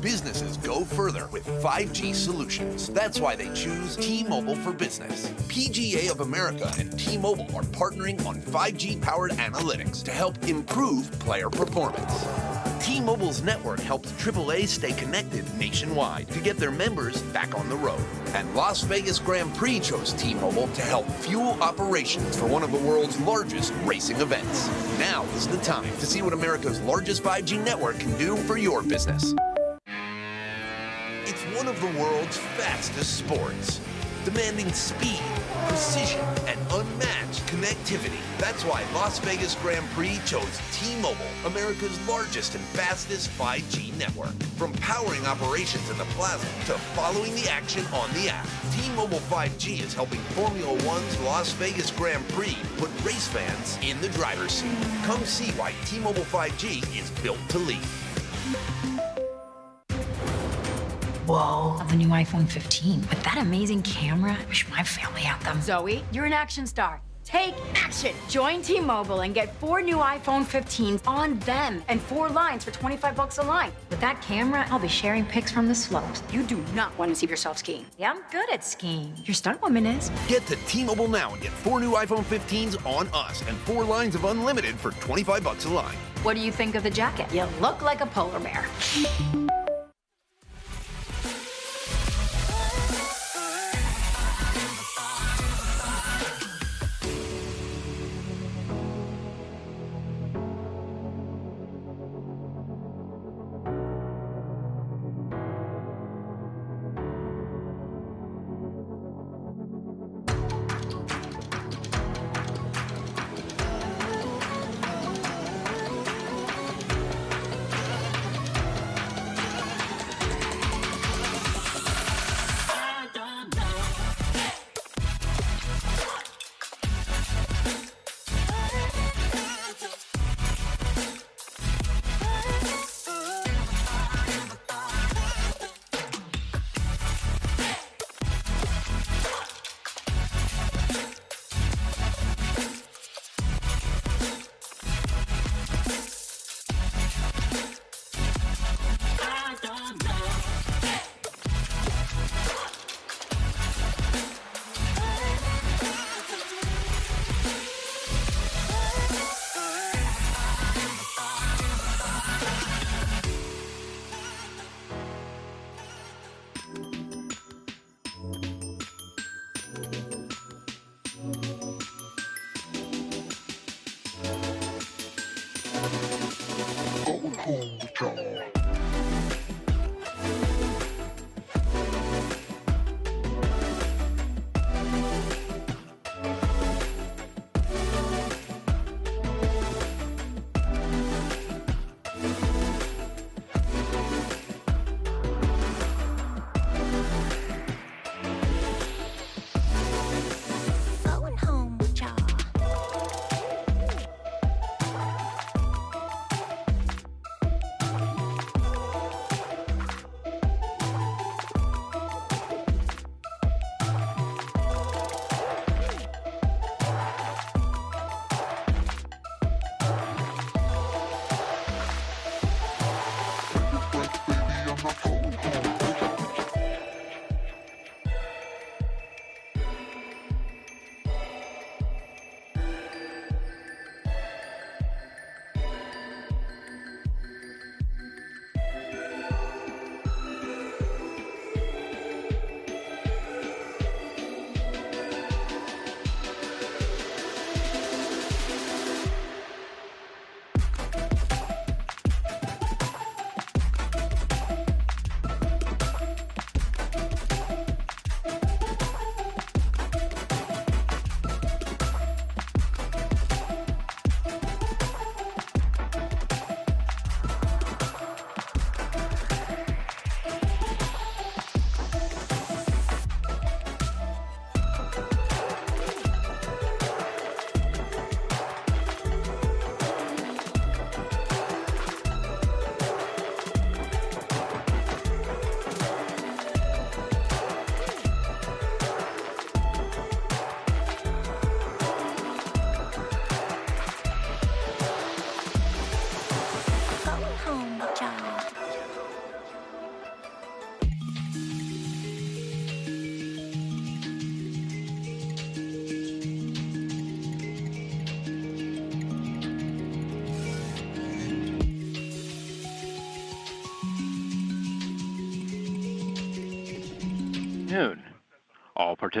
Businesses go further with 5G solutions. That's why they choose T-Mobile for Business. PGA of America and T-Mobile are partnering on 5G-powered analytics to help improve player performance. T-Mobile's network helps AAA stay connected nationwide to get their members back on the road. Las Vegas Grand Prix chose T-Mobile to help fuel operations for one of the world's largest racing events. Now is the time to see what America's largest 5G network can do for your business. It's one of the world's fastest sports, demanding speed, precision, and unmatched connectivity. That's why Las Vegas Grand Prix chose T-Mobile, America's largest and fastest 5G network. From powering operations in the plaza to following the action on the app, T-Mobile 5G is helping Formula 1's Las Vegas Grand Prix put race fans in the driver's seat. Come see why T-Mobile 5G is built to lead. Whoa! The new iPhone 15. With that amazing camera, I wish my family had them. Zoe, you're an action star. Take action! Join T-Mobile and get four new iPhone 15s on them, and four lines for $25 a line. With that camera, I'll be sharing pics from the slopes. You do not want to see yourself skiing. Yeah, I'm good at skiing. Your stunt woman is. Get to T-Mobile now and get 4 new iPhone 15s on us, and 4 lines of unlimited for $25 a line. What do you think of the jacket? You look like a polar bear.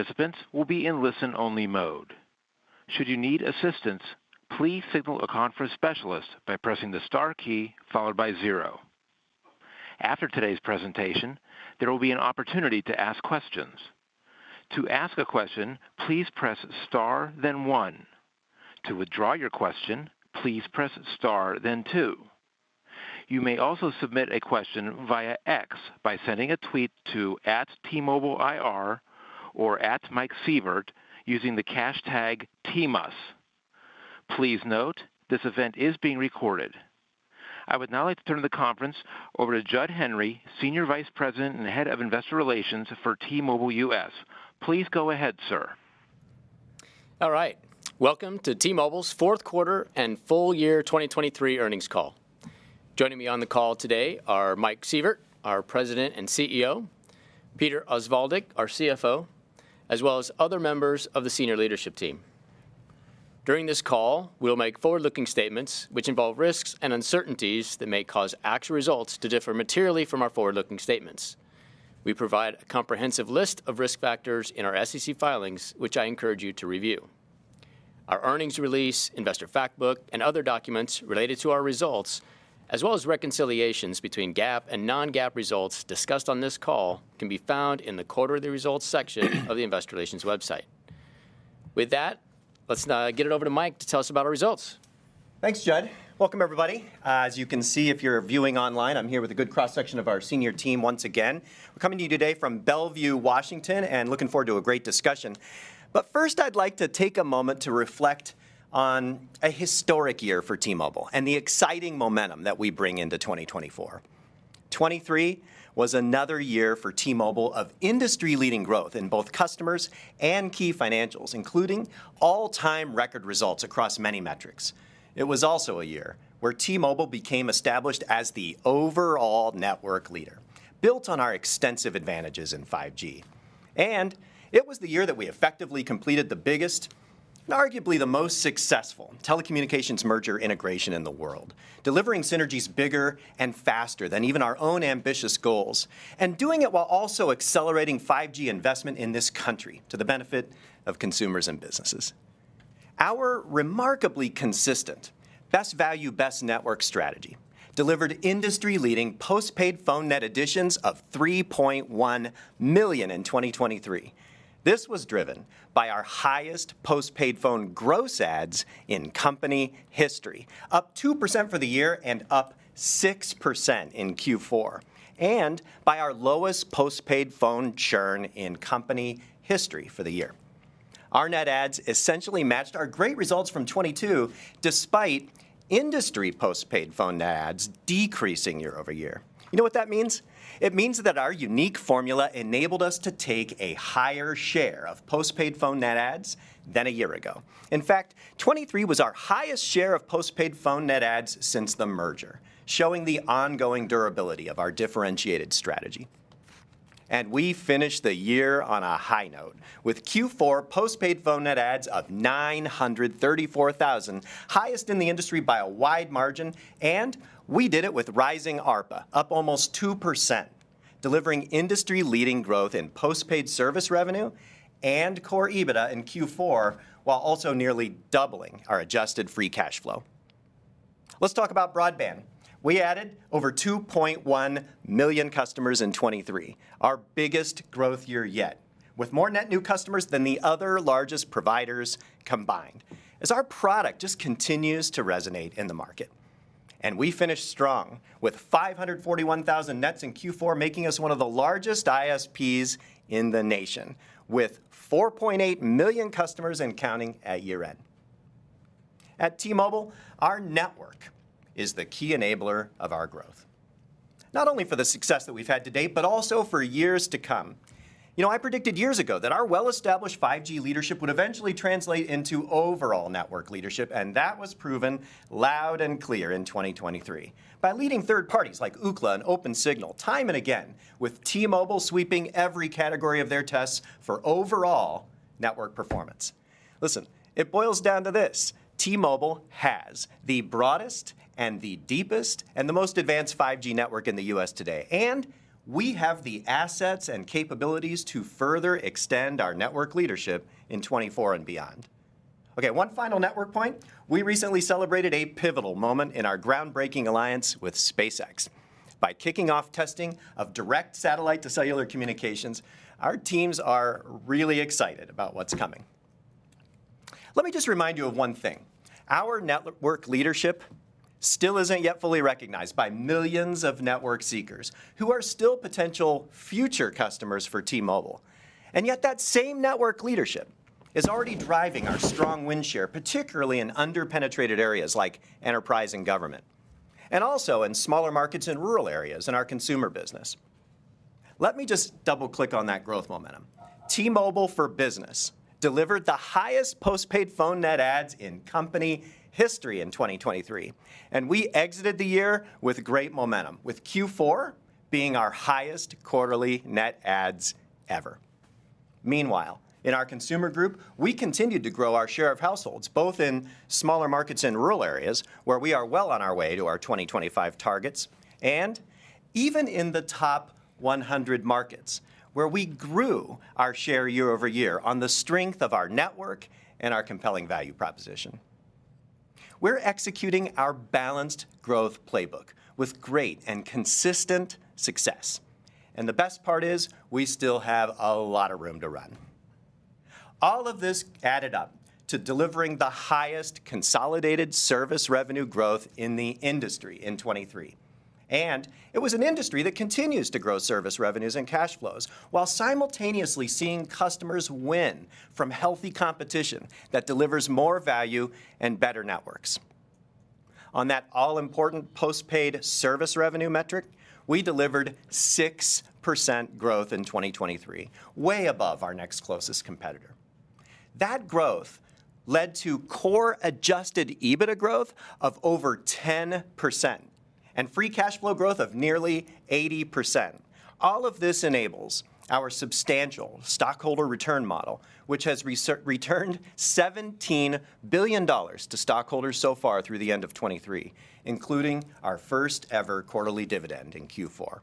Going home, y'all. Going home, y'all. Noon. All participants will be in listen-only mode. Should you need assistance, please signal a conference specialist by pressing the star key followed by zero. After today's presentation, there will be an opportunity to ask questions. To ask a question, please press star then one. To withdraw your question, please press star then two. You may also submit a question via X by sending a tweet to @TMobileIR or @MikeSievert, using the hashtag TMUS. Please note, this event is being recorded. I would now like to turn the conference over to Jud Henry, Senior Vice President and Head of Investor Relations for T-Mobile US. Please go ahead, sir. All right. Welcome to T-Mobile's fourth quarter and full year 2023 earnings call. Joining me on the call today are Mike Sievert, our President and CEO, Peter Osvaldik, our CFO, as well as other members of the senior leadership team. During this call, we'll make forward-looking statements which involve risks and uncertainties that may cause actual results to differ materially from our forward-looking statements. We provide a comprehensive list of risk factors in our SEC filings, which I encourage you to review. Our earnings release, investor fact book, and other documents related to our results, as well as reconciliations between GAAP and non-GAAP results discussed on this call, can be found in the Quarterly Results section of the Investor Relations website. With that, let's now get it over to Mike to tell us about our results. Thanks, Jud. Welcome, everybody. As you can see, if you're viewing online, I'm here with a good cross-section of our senior team once again. We're coming to you today from Bellevue, Washington, and looking forward to a great discussion. But first, I'd like to take a moment to reflect on a historic year for T-Mobile and the exciting momentum that we bring into 2024. 2023 was another year for T-Mobile of industry-leading growth in both customers and key financials, including all-time record results across many metrics. It was also a year where T-Mobile became established as the overall network leader, built on our extensive advantages in 5G. It was the year that we effectively completed the biggest, and arguably the most successful, telecommunications merger integration in the world, delivering synergies bigger and faster than even our own ambitious goals, and doing it while also accelerating 5G investment in this country to the benefit of consumers and businesses. Our remarkably consistent best value, best network strategy delivered industry-leading postpaid phone net additions of 3.1 million in 2023. This was driven by our highest postpaid phone gross adds in company history, up 2% for the year and up 6% in Q4, and by our lowest postpaid phone churn in company history for the year. Our net adds essentially matched our great results from 2022, despite industry postpaid phone net adds decreasing year-over-year. You know what that means? It means that our unique formula enabled us to take a higher share of postpaid phone net adds than a year ago. In fact, 2023 was our highest share of postpaid phone net adds since the merger, showing the ongoing durability of our differentiated strategy. And we finished the year on a high note, with Q4 postpaid phone net adds of 934,000, highest in the industry by a wide margin, and we did it with rising ARPA, up almost 2%, delivering industry-leading growth in postpaid service revenue and core EBITDA in Q4, while also nearly doubling our adjusted free cash flow. Let's talk about broadband. We added over 2.1 million customers in 2023, our biggest growth year yet, with more net new customers than the other largest providers combined, as our product just continues to resonate in the market. We finished strong with 541,000 nets in Q4, making us one of the largest ISPs in the nation, with 4.8 million customers and counting at year-end. At T-Mobile, our network is the key enabler of our growth, not only for the success that we've had to date, but also for years to come. You know, I predicted years ago that our well-established 5G leadership would eventually translate into overall network leadership, and that was proven loud and clear in 2023 by leading third parties like Ookla and Opensignal time and again, with T-Mobile sweeping every category of their tests for overall network performance. Listen, it boils down to this: T-Mobile has the broadest and the deepest and the most advanced 5G network in the U.S. today, and we have the assets and capabilities to further extend our network leadership in 2024 and beyond. Okay, one final network point. We recently celebrated a pivotal moment in our groundbreaking alliance with SpaceX. By kicking off testing of direct satellite-to-cellular communications, our teams are really excited about what's coming. Let me just remind you of one thing. Our network leadership still isn't yet fully recognized by millions of network seekers who are still potential future customers for T-Mobile. And yet that same network leadership is already driving our strong win share, particularly in under-penetrated areas like enterprise and government, and also in smaller markets and rural areas in our consumer business. Let me just double-click on that growth momentum. T-Mobile for Business delivered the highest postpaid phone net adds in company history in 2023, and we exited the year with great momentum, with Q4 being our highest quarterly net adds ever. Meanwhile, in our consumer group, we continued to grow our share of households, both in smaller markets and rural areas, where we are well on our way to our 2025 targets, and even in the top 100 markets, where we grew our share year-over-year on the strength of our network and our compelling value proposition. We're executing our balanced growth playbook with great and consistent success. The best part is, we still have a lot of room to run. All of this added up to delivering the highest consolidated service revenue growth in the industry in 2023. It was an industry that continues to grow service revenues and cash flows while simultaneously seeing customers win from healthy competition that delivers more value and better networks. On that all-important postpaid service revenue metric, we delivered 6% growth in 2023, way above our next closest competitor. That growth led to core adjusted EBITDA growth of over 10% and free cash flow growth of nearly 80%. All of this enables our substantial stockholder return model, which has returned $17 billion to stockholders so far through the end of 2023, including our first-ever quarterly dividend in Q4.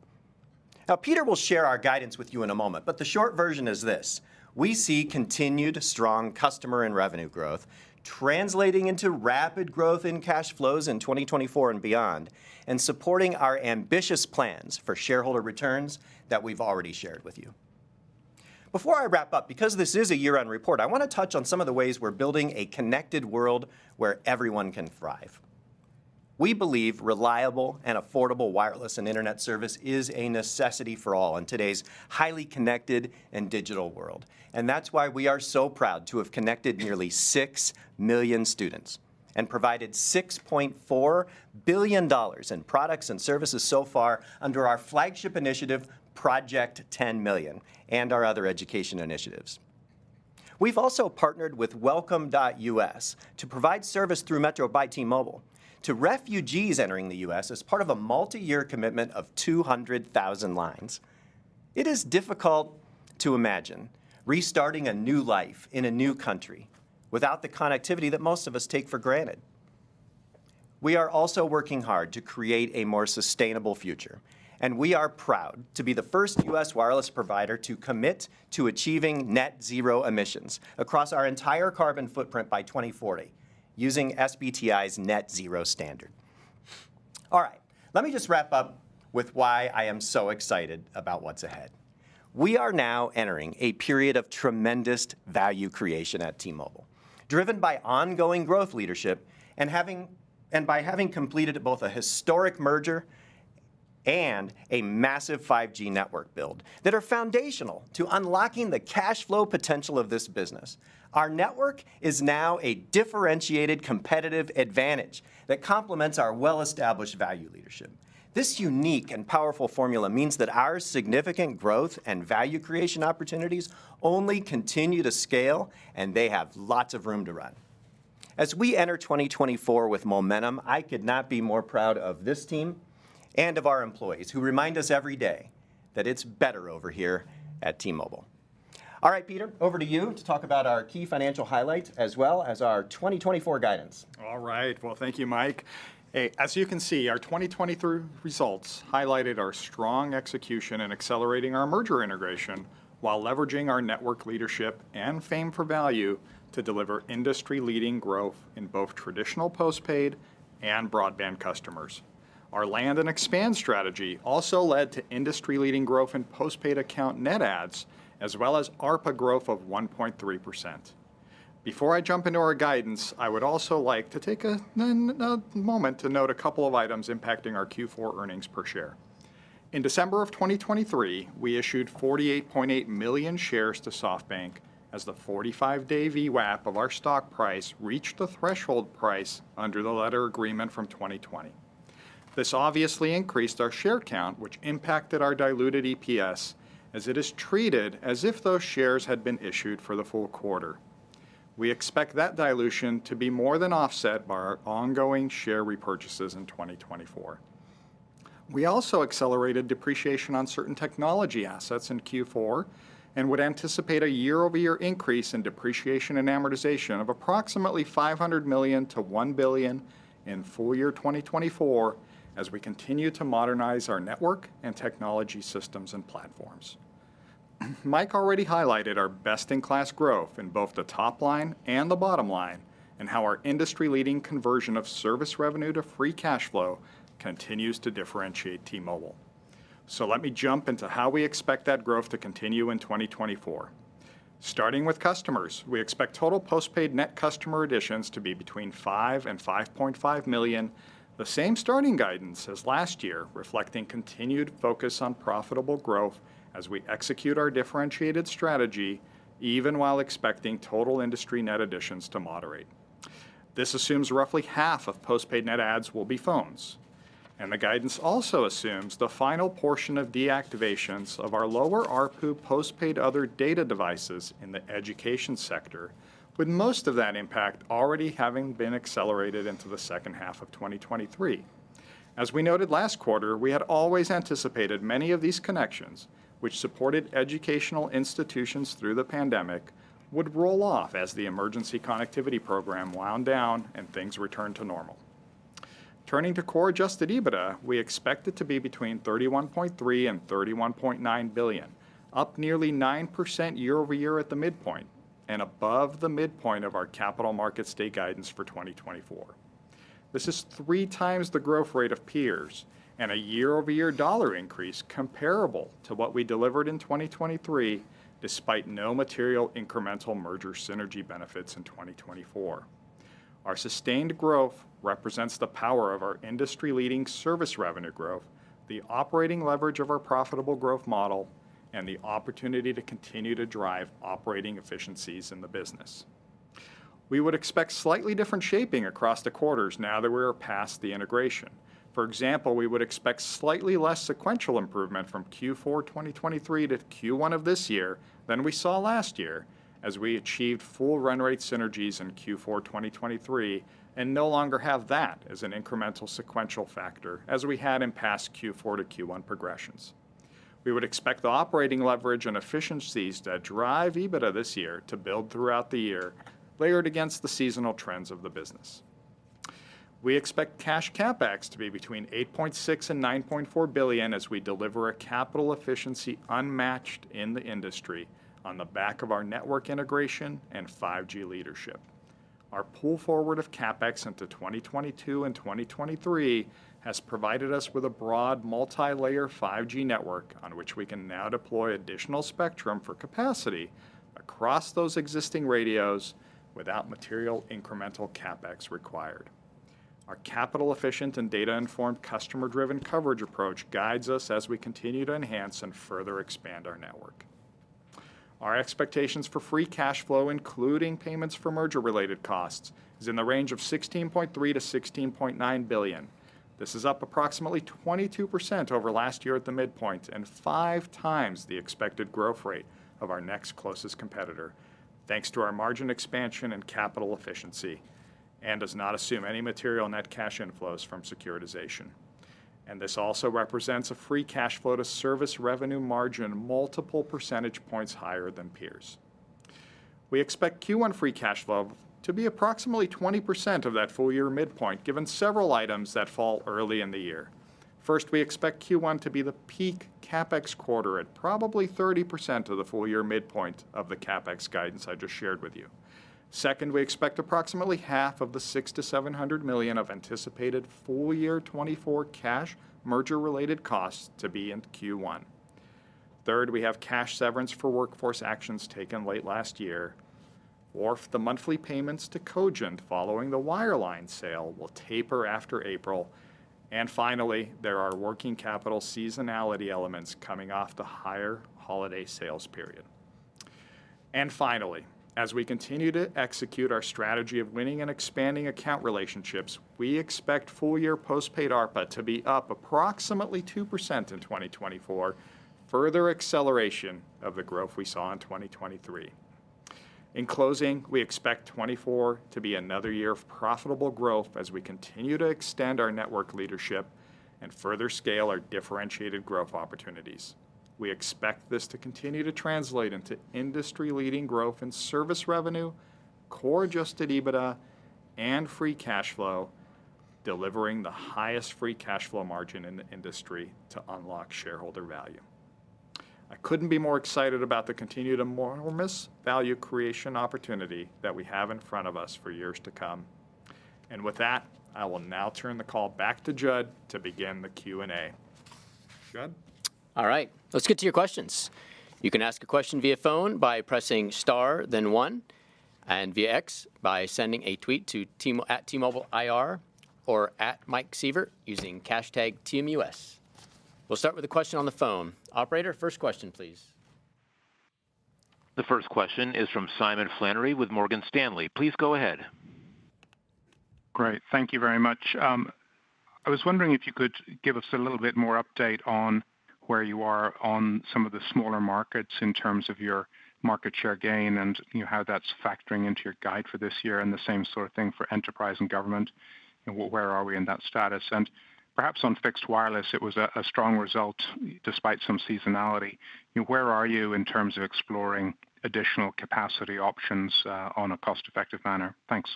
Now, Peter will share our guidance with you in a moment, but the short version is this: we see continued strong customer and revenue growth, translating into rapid growth in cash flows in 2024 and beyond, and supporting our ambitious plans for shareholder returns that we've already shared with you. Before I wrap up, because this is a year-end report, I wanna touch on some of the ways we're building a connected world where everyone can thrive. We believe reliable and affordable wireless and internet service is a necessity for all in today's highly connected and digital world. And that's why we are so proud to have connected nearly 6 million students, and provided $6.4 billion in products and services so far under our flagship initiative, Project 10Million, and our other education initiatives. We've also partnered with Welcome.US to provide service through Metro by T-Mobile to refugees entering the U.S. as part of a multi-year commitment of 200,000 lines. It is difficult to imagine restarting a new life in a new country without the connectivity that most of us take for granted. We are also working hard to create a more sustainable future, and we are proud to be the first U.S. wireless provider to commit to achieving net zero emissions across our entire carbon footprint by 2040, using SBTi's Net-Zero Standard. All right. Let me just wrap up with why I am so excited about what's ahead. We are now entering a period of tremendous value creation at T-Mobile, driven by ongoing growth leadership, and by having completed both a historic merger and a massive 5G network build that are foundational to unlocking the cash flow potential of this business. Our network is now a differentiated competitive advantage that complements our well-established value leadership. This unique and powerful formula means that our significant growth and value creation opportunities only continue to scale, and they have lots of room to run. As we enter 2024 with momentum, I could not be more proud of this team and of our employees, who remind us every day that it's better over here at T-Mobile. All right, Peter, over to you to talk about our key financial highlights, as well as our 2024 guidance. All right. Well, thank you, Mike. Hey, as you can see, our 2023 results highlighted our strong execution in accelerating our merger integration, while leveraging our network leadership and fame for value to deliver industry-leading growth in both traditional postpaid and broadband customers. Our land and expand strategy also led to industry-leading growth in postpaid account net adds, as well as ARPA growth of 1.3%. Before I jump into our guidance, I would also like to take a moment to note a couple of items impacting our Q4 earnings per share. In December of 2023, we issued 48.8 million shares to SoftBank, as the 45-day VWAP of our stock price reached the threshold price under the letter agreement from 2020. This obviously increased our share count, which impacted our diluted EPS, as it is treated as if those shares had been issued for the full quarter. We expect that dilution to be more than offset by our ongoing share repurchases in 2024. We also accelerated depreciation on certain technology assets in Q4 and would anticipate a year-over-year increase in depreciation and amortization of approximately $500 million-$1 billion in full year 2024, as we continue to modernize our network and technology systems and platforms. Mike already highlighted our best-in-class growth in both the top line and the bottom line, and how our industry-leading conversion of service revenue to free cash flow continues to differentiate T-Mobile. So let me jump into how we expect that growth to continue in 2024. Starting with customers, we expect total postpaid net customer additions to be between 5 and 5.5 million, the same starting guidance as last year, reflecting continued focus on profitable growth as we execute our differentiated strategy, even while expecting total industry net additions to moderate. This assumes roughly half of postpaid net adds will be phones, and the guidance also assumes the final portion of deactivations of our lower ARPU postpaid other data devices in the education sector, with most of that impact already having been accelerated into the second half of 2023. As we noted last quarter, we had always anticipated many of these connections, which supported educational institutions through the pandemic, would roll off as the emergency connectivity program wound down and things returned to normal. Turning to core adjusted EBITDA, we expect it to be between $31.3 billion-$31.9 billion, up nearly 9% year-over-year at the midpoint, and above the midpoint of our Capital Markets Day guidance for 2024. This is 3 times the growth rate of peers, and a year-over-year dollar increase comparable to what we delivered in 2023, despite no material incremental merger synergy benefits in 2024. Our sustained growth represents the power of our industry-leading service revenue growth, the operating leverage of our profitable growth model, and the opportunity to continue to drive operating efficiencies in the business.... We would expect slightly different shaping across the quarters now that we are past the integration. For example, we would expect slightly less sequential improvement from Q4 2023 to Q1 of this year than we saw last year, as we achieved full run rate synergies in Q4 2023, and no longer have that as an incremental sequential factor, as we had in past Q4 to Q1 progressions. We would expect the operating leverage and efficiencies that drive EBITDA this year to build throughout the year, layered against the seasonal trends of the business. We expect cash CapEx to be between $8.6 billion-$9.4 billion as we deliver a capital efficiency unmatched in the industry on the back of our network integration and 5G leadership. Our pull forward of CapEx into 2022 and 2023 has provided us with a broad, multilayer 5G network, on which we can now deploy additional spectrum for capacity across those existing radios without material incremental CapEx required. Our capital-efficient and data-informed, customer-driven coverage approach guides us as we continue to enhance and further expand our network. Our expectations for free cash flow, including payments for merger-related costs, is in the range of $16.3 billion-$16.9 billion. This is up approximately 22% over last year at the midpoint, and 5x the expected growth rate of our next closest competitor, thanks to our margin expansion and capital efficiency, and does not assume any material net cash inflows from securitization. This also represents a free cash flow to service revenue margin, multiple percentage points higher than peers. We expect Q1 free cash flow to be approximately 20% of that full-year midpoint, given several items that fall early in the year. First, we expect Q1 to be the peak CapEx quarter at probably 30% of the full-year midpoint of the CapEx guidance I just shared with you. Second, we expect approximately half of the $600 million-$700 million of anticipated full-year 2024 cash merger-related costs to be in Q1. Third, we have cash severance for workforce actions taken late last year, or if the monthly payments to Cogent following the wireline sale will taper after April. And finally, there are working capital seasonality elements coming off the higher holiday sales period. And finally, as we continue to execute our strategy of winning and expanding account relationships, we expect full-year postpaid ARPA to be up approximately 2% in 2024, further acceleration of the growth we saw in 2023. In closing, we expect 2024 to be another year of profitable growth as we continue to extend our network leadership and further scale our differentiated growth opportunities. We expect this to continue to translate into industry-leading growth and service revenue, core adjusted EBITDA, and free cash flow, delivering the highest free cash flow margin in the industry to unlock shareholder value. I couldn't be more excited about the continued enormous value creation opportunity that we have in front of us for years to come. And with that, I will now turn the call back to Jud to begin the Q&A. Jud? All right, let's get to your questions. You can ask a question via phone by pressing star, then one, and via X by sending a tweet to team- @T-MobileIR or @MikeSievert, using #TMUS. We'll start with a question on the phone. Operator, first question, please. The first question is from Simon Flannery with Morgan Stanley. Please go ahead. Great. Thank you very much. I was wondering if you could give us a little bit more update on where you are on some of the smaller markets in terms of your market share gain and, you know, how that's factoring into your guide for this year, and the same sort of thing for enterprise and government, and where are we in that status? And perhaps on fixed wireless, it was a strong result despite some seasonality. Where are you in terms of exploring additional capacity options on a cost-effective manner? Thanks.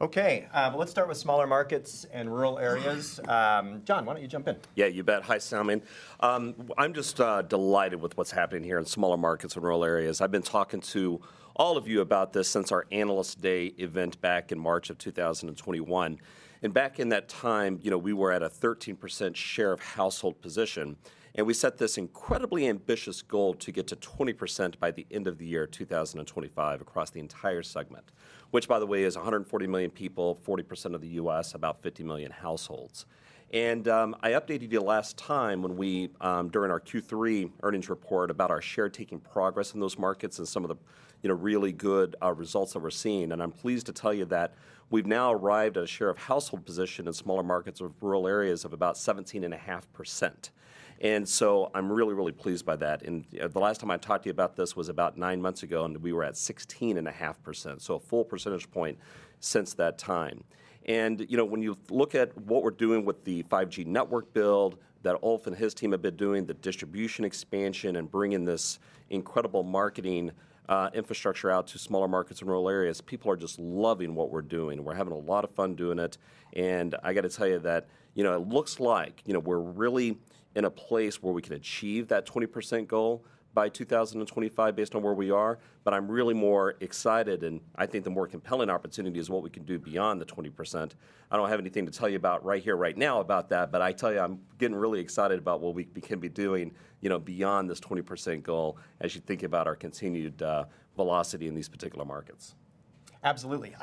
Okay, let's start with smaller markets and rural areas. Jon, why don't you jump in? Yeah, you bet. Hi, Simon. I'm just delighted with what's happening here in smaller markets and rural areas. I've been talking to all of you about this since our Analyst Day event back in March 2021. And back in that time, you know, we were at a 13% share of household position, and we set this incredibly ambitious goal to get to 20% by the end of the year 2025 across the entire segment, which, by the way, is 140 million people, 40% of the U.S., about 50 million households. And I updated you last time during our Q3 earnings report, about our share taking progress in those markets and some of the, you know, really good results that we're seeing. I'm pleased to tell you that we've now arrived at a share of household position in smaller markets with rural areas of about 17.5%. So I'm really, really pleased by that. The last time I talked to you about this was about nine months ago, and we were at 16.5%, so a full percentage point since that time. You know, when you look at what we're doing with the 5G network build that Ulf and his team have been doing, the distribution expansion and bringing this incredible marketing infrastructure out to smaller markets and rural areas, people are just loving what we're doing. We're having a lot of fun doing it, and I gotta tell you that, you know, it looks like, you know, we're really in a place where we can achieve that 20% goal by 2025, based on where we are, but I'm really more excited, and I think the more compelling opportunity is what we can do beyond the 20%. I don't have anything to tell you about right here, right now about that, but I tell you, I'm getting really excited about what we can be doing, you know, beyond this 20% goal, as you think about our continued velocity in these particular markets. Absolutely.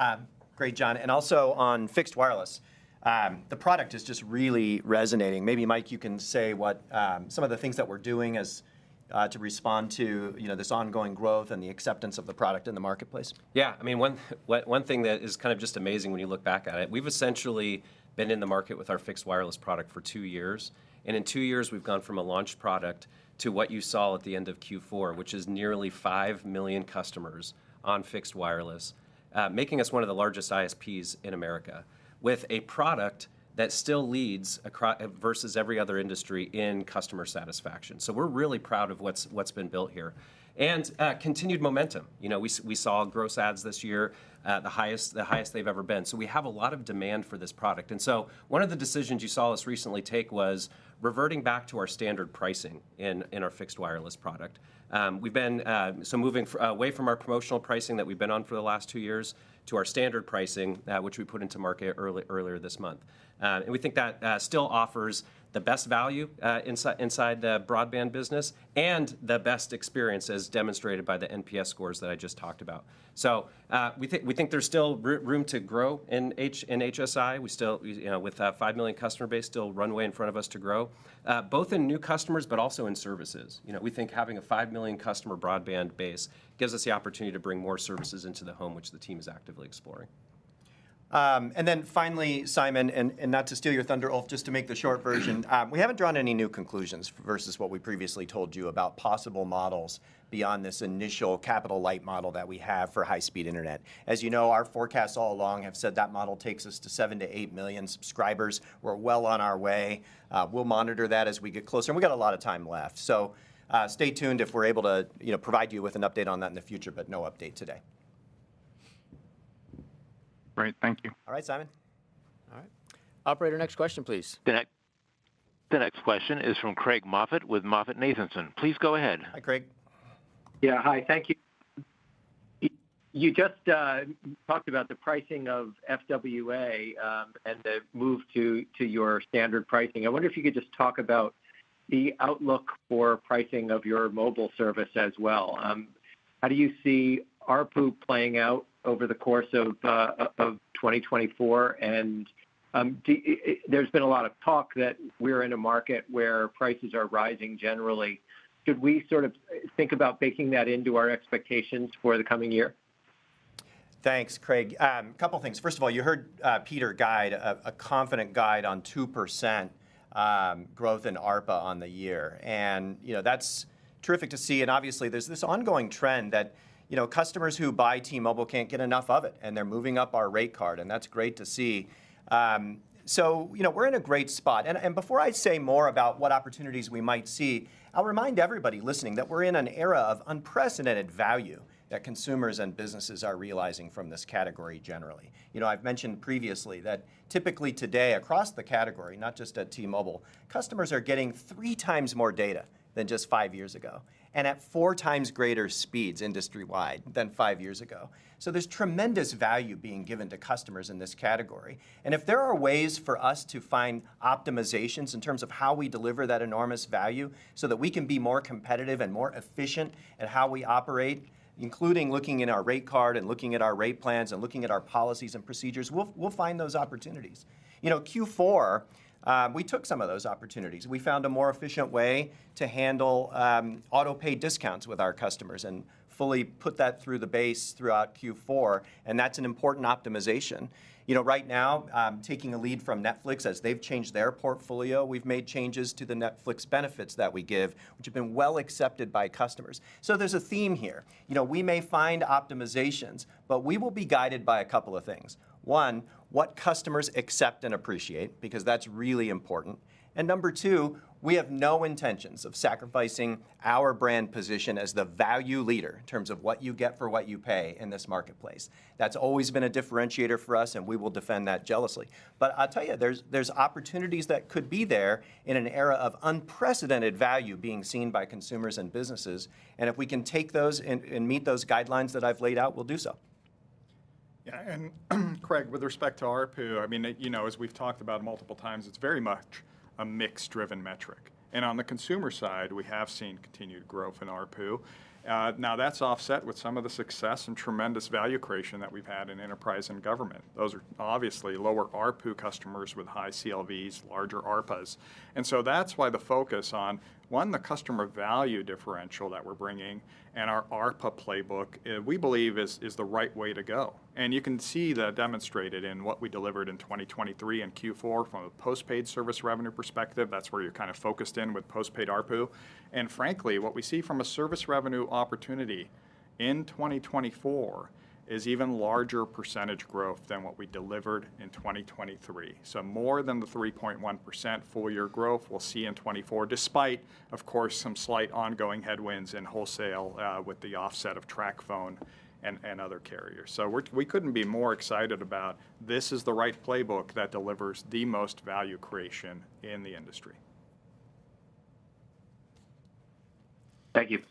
Great, Jon. And also on fixed wireless, the product is just really resonating. Maybe Mike, you can say what some of the things that we're doing as to respond to, you know, this ongoing growth and the acceptance of the product in the marketplace. Yeah. I mean, one thing that is kind of just amazing when you look back at it, we've essentially been in the market with our fixed wireless product for two years, and in two years we've gone from a launch product to what you saw at the end of Q4, which is nearly 5 million customers on fixed wireless. Making us one of the largest ISPs in America, with a product that still leads across versus every other industry in customer satisfaction. So we're really proud of what's been built here. And continued momentum. You know, we saw gross adds this year, the highest they've ever been. So we have a lot of demand for this product, and so one of the decisions you saw us recently take was reverting back to our standard pricing in our fixed wireless product. We've been so moving away from our promotional pricing that we've been on for the last two years to our standard pricing, which we put into market earlier this month. And we think that still offers the best value, inside the broadband business and the best experience, as demonstrated by the NPS scores that I just talked about. So we think, we think there's still room to grow in HSI. We still, you know, with a five million customer base, still runway in front of us to grow, both in new customers, but also in services. You know, we think having a 5 million customer broadband base gives us the opportunity to bring more services into the home, which the team is actively exploring. And then finally, Simon, and not to steal your thunder, Ulf, just to make the short version. We haven't drawn any new conclusions versus what we previously told you about possible models beyond this initial capital-light model that we have for high-speed internet. As you know, our forecasts all along have said that model takes us to 7-8 million subscribers. We're well on our way. We'll monitor that as we get closer, and we've got a lot of time left. So, stay tuned if we're able to, you know, provide you with an update on that in the future, but no update today. Great. Thank you. All right, Simon. All right. Operator, next question, please. The next question is from Craig Moffett with MoffettNathanson. Please go ahead. Hi, Craig. Yeah, hi. Thank you. You just talked about the pricing of FWA, and the move to your standard pricing. I wonder if you could just talk about the outlook for pricing of your mobile service as well. How do you see ARPU playing out over the course of 2024? And there's been a lot of talk that we're in a market where prices are rising generally. Should we sort of think about baking that into our expectations for the coming year? Thanks, Craig. A couple things. First of all, you heard Peter guide a confident guide on 2% growth in ARPA on the year, and, you know, that's terrific to see. Obviously, there's this ongoing trend that, you know, customers who buy T-Mobile can't get enough of it, and they're moving up our rate card, and that's great to see. So, you know, we're in a great spot, and before I say more about what opportunities we might see, I'll remind everybody listening that we're in an era of unprecedented value that consumers and businesses are realizing from this category generally. You know, I've mentioned previously that typically today, across the category, not just at T-Mobile, customers are getting three times more data than just five years ago, and at four times greater speeds industry-wide than five years ago. So there's tremendous value being given to customers in this category, and if there are ways for us to find optimizations in terms of how we deliver that enormous value so that we can be more competitive and more efficient at how we operate, including looking in our rate card and looking at our rate plans and looking at our policies and procedures, we'll, we'll find those opportunities. You know, Q4, we took some of those opportunities. We found a more efficient way to handle auto-pay discounts with our customers and fully put that through the base throughout Q4, and that's an important optimization. You know, right now, taking a lead from Netflix as they've changed their portfolio, we've made changes to the Netflix benefits that we give, which have been well accepted by customers. So there's a theme here. You know, we may find optimizations, but we will be guided by a couple of things. One, what customers accept and appreciate, because that's really important. And number two, we have no intentions of sacrificing our brand position as the value leader in terms of what you get for what you pay in this marketplace. That's always been a differentiator for us, and we will defend that jealously. But I'll tell you, there's opportunities that could be there in an era of unprecedented value being seen by consumers and businesses, and if we can take those and meet those guidelines that I've laid out, we'll do so. Yeah, and Craig, with respect to ARPU, I mean, you know, as we've talked about multiple times, it's very much a mixed-driven metric. And on the consumer side, we have seen continued growth in ARPU. Now that's offset with some of the success and tremendous value creation that we've had in enterprise and government. Those are obviously lower ARPU customers with high CLVs, larger ARPAs. And so that's why the focus on, one, the customer value differential that we're bringing and our ARPA playbook, we believe is the right way to go. And you can see that demonstrated in what we delivered in 2023 and Q4 from a postpaid service revenue perspective. That's where you're kind of focused in with postpaid ARPU. And frankly, what we see from a service revenue opportunity in 2024 is even larger percentage growth than what we delivered in 2023. So more than the 3.1% full-year growth we'll see in 2024, despite, of course, some slight ongoing headwinds in wholesale, with the offset of TracFone and other carriers. So we couldn't be more excited about this is the right playbook that delivers the most value creation in the industry. Thank you.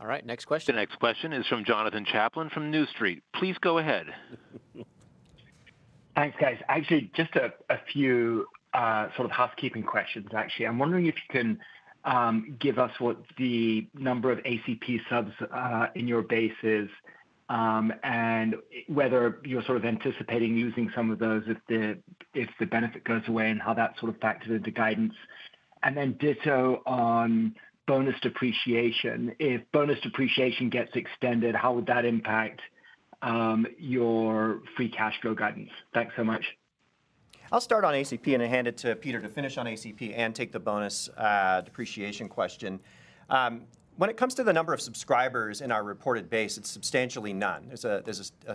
All right, next question. The next question is from Jonathan Chaplin from New Street. Please go ahead. Thanks, guys. Actually, just a few sort of housekeeping questions, actually. I'm wondering if you can give us what the number of ACP subs in your base is, and whether you're sort of anticipating using some of those if the benefit goes away, and how that sort of factors into guidance? And then ditto on bonus depreciation. If bonus depreciation gets extended, how would that impact your free cash flow guidance? Thanks so much. I'll start on ACP and then hand it to Peter to finish on ACP and take the bonus, depreciation question. When it comes to the number of subscribers in our reported base, it's substantially none. There's a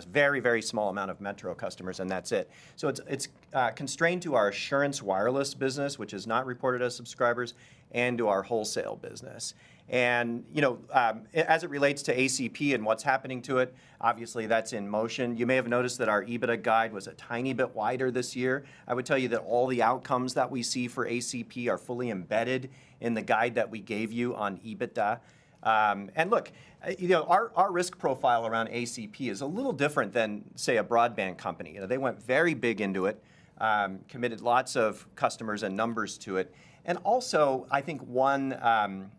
very, very small amount of Metro customers, and that's it. So it's constrained to our Assurance Wireless business, which is not reported as subscribers, and to our wholesale business. And, you know, as it relates to ACP and what's happening to it, obviously, that's in motion. You may have noticed that our EBITDA guide was a tiny bit wider this year. I would tell you that all the outcomes that we see for ACP are fully embedded in the guide that we gave you on EBITDA. And look, you know, our risk profile around ACP is a little different than, say, a broadband company. You know, they went very big into it, committed lots of customers and numbers to it, and also, I think won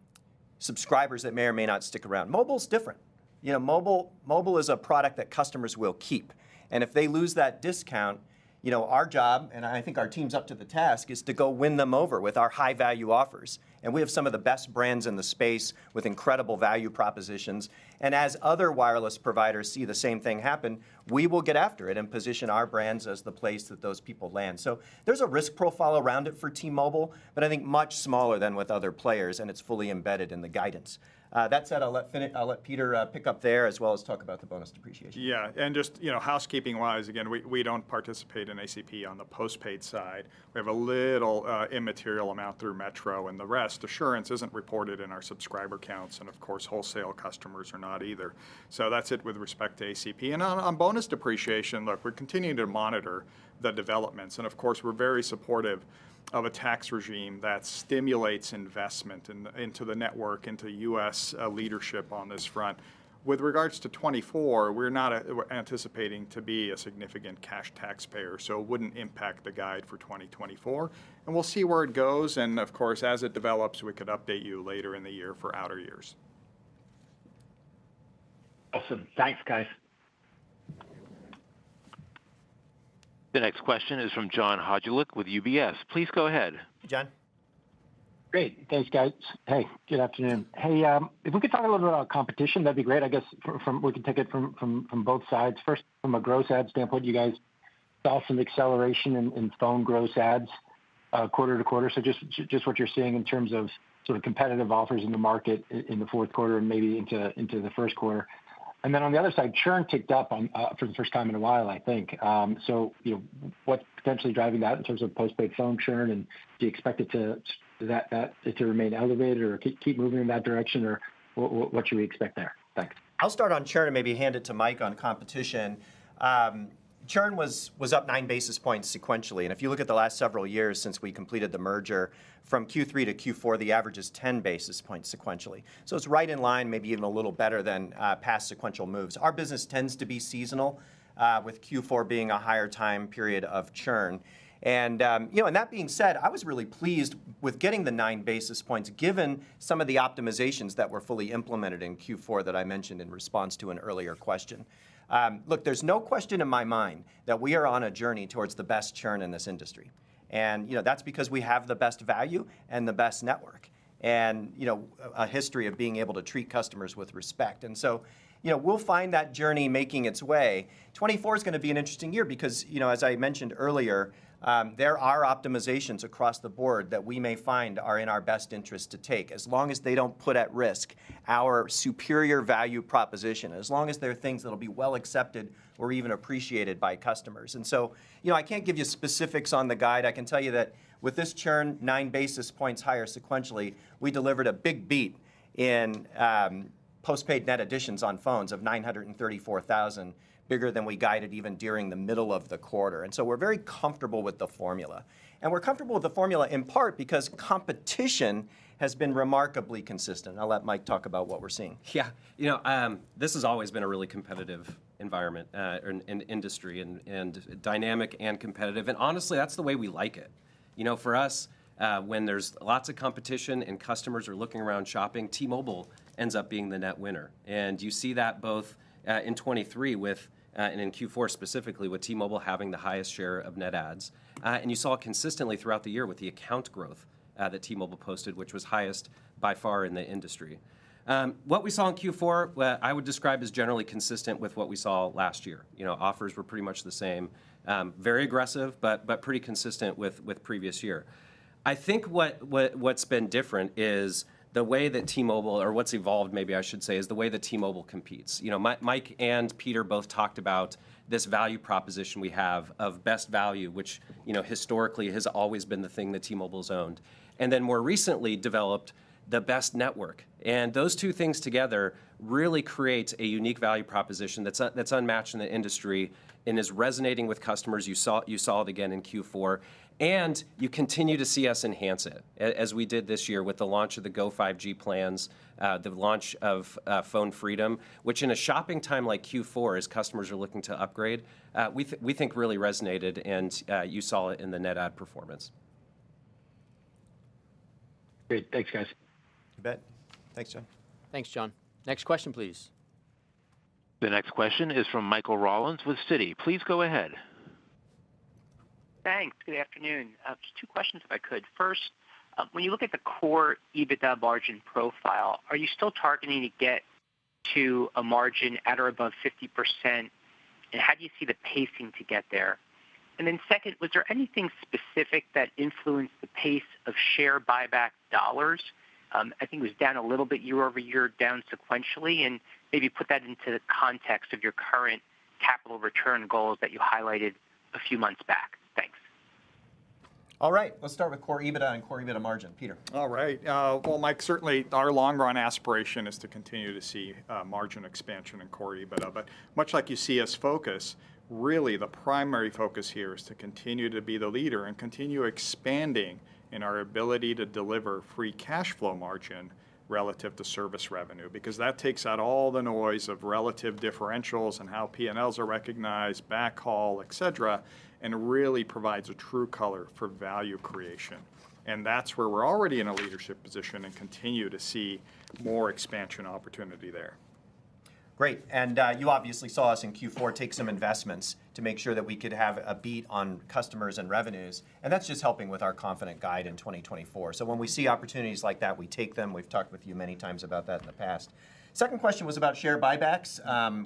subscribers that may or may not stick around. Mobile's different. You know, mobile, mobile is a product that customers will keep, and if they lose that discount, you know, our job, and I think our team's up to the task, is to go win them over with our high-value offers. And we have some of the best brands in the space with incredible value propositions, and as other wireless providers see the same thing happen, we will get after it and position our brands as the place that those people land. There's a risk profile around it for T-Mobile, but I think much smaller than with other players, and it's fully embedded in the guidance. That said, I'll let Peter pick up there, as well as talk about the bonus depreciation. Yeah, and just, you know, housekeeping-wise, again, we, we don't participate in ACP on the postpaid side. We have a little, immaterial amount through Metro, and the rest, Assurance isn't reported in our subscriber counts, and of course, wholesale customers are not either. So that's it with respect to ACP. And on, on bonus depreciation, look, we're continuing to monitor the developments, and of course, we're very supportive of a tax regime that stimulates investment in, into the network, into U.S. leadership on this front. With regards to 2024, we're not, we're anticipating to be a significant cash taxpayer, so it wouldn't impact the guide for 2024. And we'll see where it goes, and of course, as it develops, we could update you later in the year for outer years. Awesome. Thanks, guys. The next question is from John Hodulik with UBS. Please go ahead. John? Great. Thanks, guys. Hey, good afternoon. Hey, if we could talk a little bit about competition, that'd be great. I guess we can take it from both sides. First, from a gross add standpoint, you guys saw some acceleration in phone gross adds quarter to quarter. So just what you're seeing in terms of sort of competitive offers in the market in the fourth quarter and maybe into the first quarter. And then, on the other side, churn ticked up on for the first time in a while, I think. So you know, what's potentially driving that in terms of postpaid phone churn, and do you expect it to remain elevated or keep moving in that direction, or what should we expect there? Thanks. I'll start on churn and maybe hand it to Mike on competition. Churn was up nine basis points sequentially, and if you look at the last several years since we completed the merger, from Q3 to Q4, the average is ten basis points sequentially. So it's right in line, maybe even a little better than past sequential moves. Our business tends to be seasonal, with Q4 being a higher time period of churn. And, you know, and that being said, I was really pleased with getting the nine basis points, given some of the optimizations that were fully implemented in Q4 that I mentioned in response to an earlier question. Look, there's no question in my mind that we are on a journey towards the best churn in this industry, and, you know, that's because we have the best value and the best network and, you know, a history of being able to treat customers with respect. And so, you know, we'll find that journey making its way. 2024 is gonna be an interesting year because, you know, as I mentioned earlier, there are optimizations across the board that we may find are in our best interest to take, as long as they don't put at risk our superior value proposition, as long as there are things that'll be well-accepted or even appreciated by customers. And so, you know, I can't give you specifics on the guide. I can tell you that with this churn, 9 basis points higher sequentially, we delivered a big beat in postpaid net additions on phones of 934,000, bigger than we guided even during the middle of the quarter, and so we're very comfortable with the formula. We're comfortable with the formula in part because competition has been remarkably consistent. I'll let Mike talk about what we're seeing. Yeah. You know, this has always been a really competitive environment in industry and dynamic and competitive, and honestly, that's the way we like it. You know, for us, when there's lots of competition and customers are looking around shopping, T-Mobile ends up being the net winner. And you see that both in 2023 and in Q4 specifically, with T-Mobile having the highest share of net adds. And you saw consistently throughout the year with the account growth that T-Mobile posted, which was highest by far in the industry. What we saw in Q4, well, I would describe as generally consistent with what we saw last year. You know, offers were pretty much the same. Very aggressive, but pretty consistent with previous year. I think what's been different is the way that T-Mobile—or what's evolved, maybe I should say, is the way that T-Mobile competes. You know, Mike and Peter both talked about this value proposition we have of best value, which, you know, historically has always been the thing that T-Mobile's owned, and then more recently developed the best network. And those two things together really creates a unique value proposition that's—that's unmatched in the industry and is resonating with customers. You saw it again in Q4, and you continue to see us enhance it, as we did this year with the launch of the Go5G plans, the launch of Phone Freedom, which in a shopping time like Q4, as customers are looking to upgrade, we think really resonated, and you saw it in the net add performance. Great. Thanks, guys. You bet. Thanks, John. Thanks, John. Next question, please. The next question is from Michael Rollins with Citi. Please go ahead. Thanks. Good afternoon. Just two questions, if I could. First, when you look at the core EBITDA margin profile, are you still targeting to get to a margin at or above 50%? How do you see the pacing to get there? Second, was there anything specific that influenced the pace of share buyback dollars? I think it was down a little bit year-over-year, down sequentially, and maybe put that into the context of your current capital return goals that you highlighted a few months back. Thanks. All right. Let's start with core EBITDA and core EBITDA margin. Peter? All right. Well, Mike, certainly our long-run aspiration is to continue to see margin expansion in core EBITDA. But much like you see us focus, really the primary focus here is to continue to be the leader and continue expanding in our ability to deliver free cash flow margin relative to service revenue, because that takes out all the noise of relative differentials and how PNLs are recognized, backhaul, et cetera, and really provides a true color for value creation. And that's where we're already in a leadership position and continue to see more expansion opportunity there. Great. And, you obviously saw us in Q4 take some investments to make sure that we could have a beat on customers and revenues, and that's just helping with our confident guide in 2024. So when we see opportunities like that, we take them. We've talked with you many times about that in the past. Second question was about share buybacks.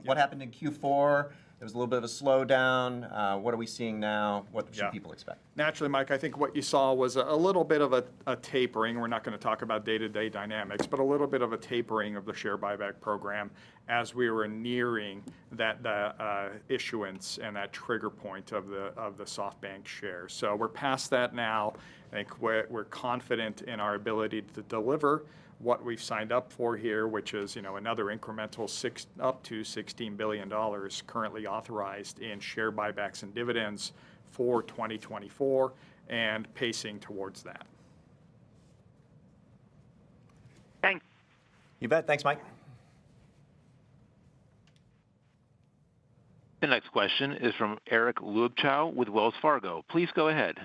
What happened in Q4? There was a little bit of a slowdown. What are we seeing now? What should people expect? Yeah. Naturally, Mike, I think what you saw was a little bit of a tapering. We're not going to talk about day-to-day dynamics, but a little bit of a tapering of the share buyback program as we were nearing that, the issuance and that trigger point of the SoftBank share. So we're past that now. I think we're confident in our ability to deliver what we've signed up for here, which is, you know, another incremental $6 billion-$16 billion currently authorized in share buybacks and dividends for 2024, and pacing towards that. Thanks. You bet. Thanks, Mike. The next question is from Eric Luebchow with Wells Fargo. Please go ahead.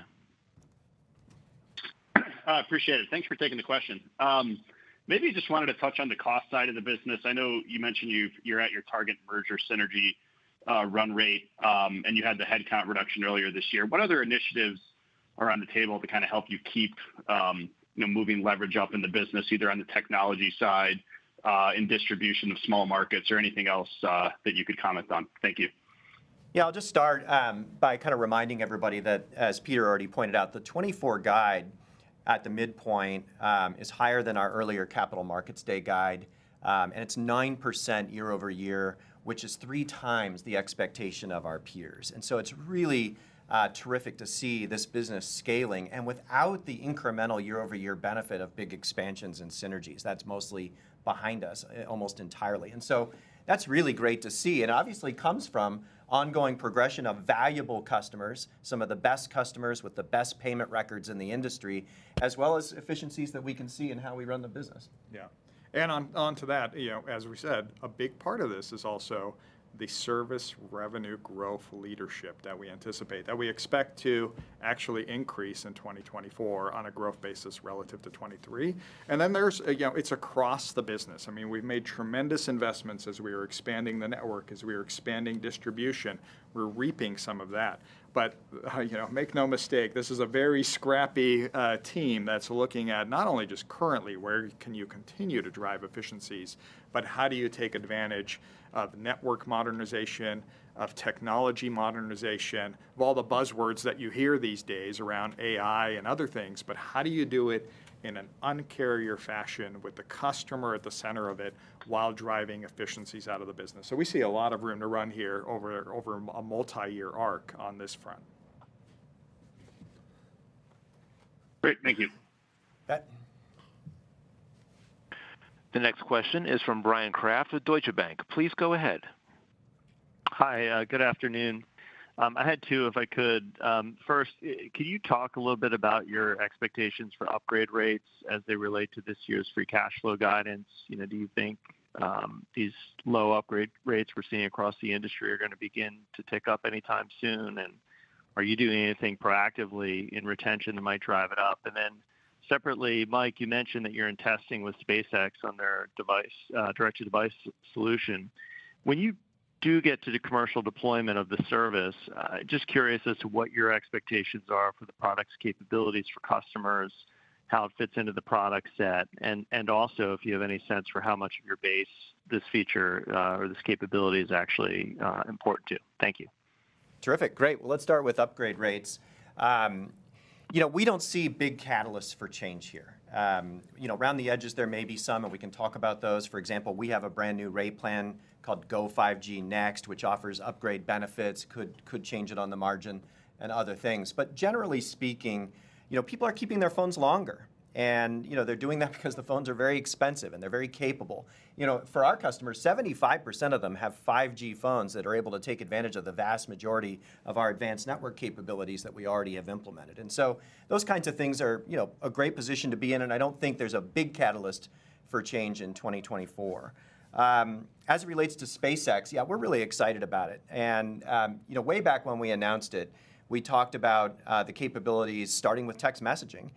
Appreciate it. Thanks for taking the question. Maybe just wanted to touch on the cost side of the business. I know you mentioned you've- you're at your target merger synergy run rate, and you had the headcount reduction earlier this year. What other initiatives are on the table to kind of help you keep, you know, moving leverage up in the business, either on the technology side, in distribution of small markets or anything else, that you could comment on? Thank you. Yeah, I'll just start by kind of reminding everybody that, as Peter already pointed out, the 2024 guide at the midpoint is higher than our earlier Capital Markets Day guide, and it's 9% year-over-year, which is 3 times the expectation of our peers. And so it's really terrific to see this business scaling, and without the incremental year-over-year benefit of big expansions and synergies. That's mostly behind us, almost entirely. And so that's really great to see, and obviously comes from ongoing progression of valuable customers, some of the best customers with the best payment records in the industry, as well as efficiencies that we can see in how we run the business. Yeah. And on to that, you know, as we said, a big part of this is also the service revenue growth leadership that we anticipate, that we expect to actually increase in 2024 on a growth basis relative to 2023. And then there's a... You know, it's across the business. I mean, we've made tremendous investments as we are expanding the network, as we are expanding distribution. We're reaping some of that. But, you know, make no mistake, this is a very scrappy team that's looking at not only just currently, where can you continue to drive efficiencies, but how do you take advantage of network modernization, of technology modernization, of all the buzzwords that you hear these days around AI and other things, but how do you do it in an Un-carrier fashion with the customer at the center of it, while driving efficiencies out of the business? So we see a lot of room to run here over a multi-year arc on this front. Great. Thank you. You bet. The next question is from Brian Kraft with Deutsche Bank. Please go ahead. Hi. Good afternoon. I had two, if I could. First, can you talk a little bit about your expectations for upgrade rates as they relate to this year's free cash flow guidance? You know, do you think, these low upgrade rates we're seeing across the industry are going to begin to tick up anytime soon? And are you doing anything proactively in retention that might drive it up? And then separately, Mike, you mentioned that you're in testing with SpaceX on their device, direct-to-device solution. When you do get to the commercial deployment of the service, just curious as to what your expectations are for the product's capabilities for customers, how it fits into the product set, and, and also if you have any sense for how much of your base this feature, or this capability is actually, important to. Thank you. Terrific, great! Well, let's start with upgrade rates. You know, we don't see big catalysts for change here. You know, around the edges there may be some, and we can talk about those. For example, we have a brand-new rate plan called Go5G Next, which offers upgrade benefits, could change it on the margin and other things. But generally speaking, you know, people are keeping their phones longer, and, you know, they're doing that because the phones are very expensive and they're very capable. You know, for our customers, 75% of them have 5G phones that are able to take advantage of the vast majority of our advanced network capabilities that we already have implemented. And so those kinds of things are, you know, a great position to be in, and I don't think there's a big catalyst for change in 2024. As it relates to SpaceX, yeah, we're really excited about it. And, you know, way back when we announced it, we talked about, the capabilities, starting with text messaging.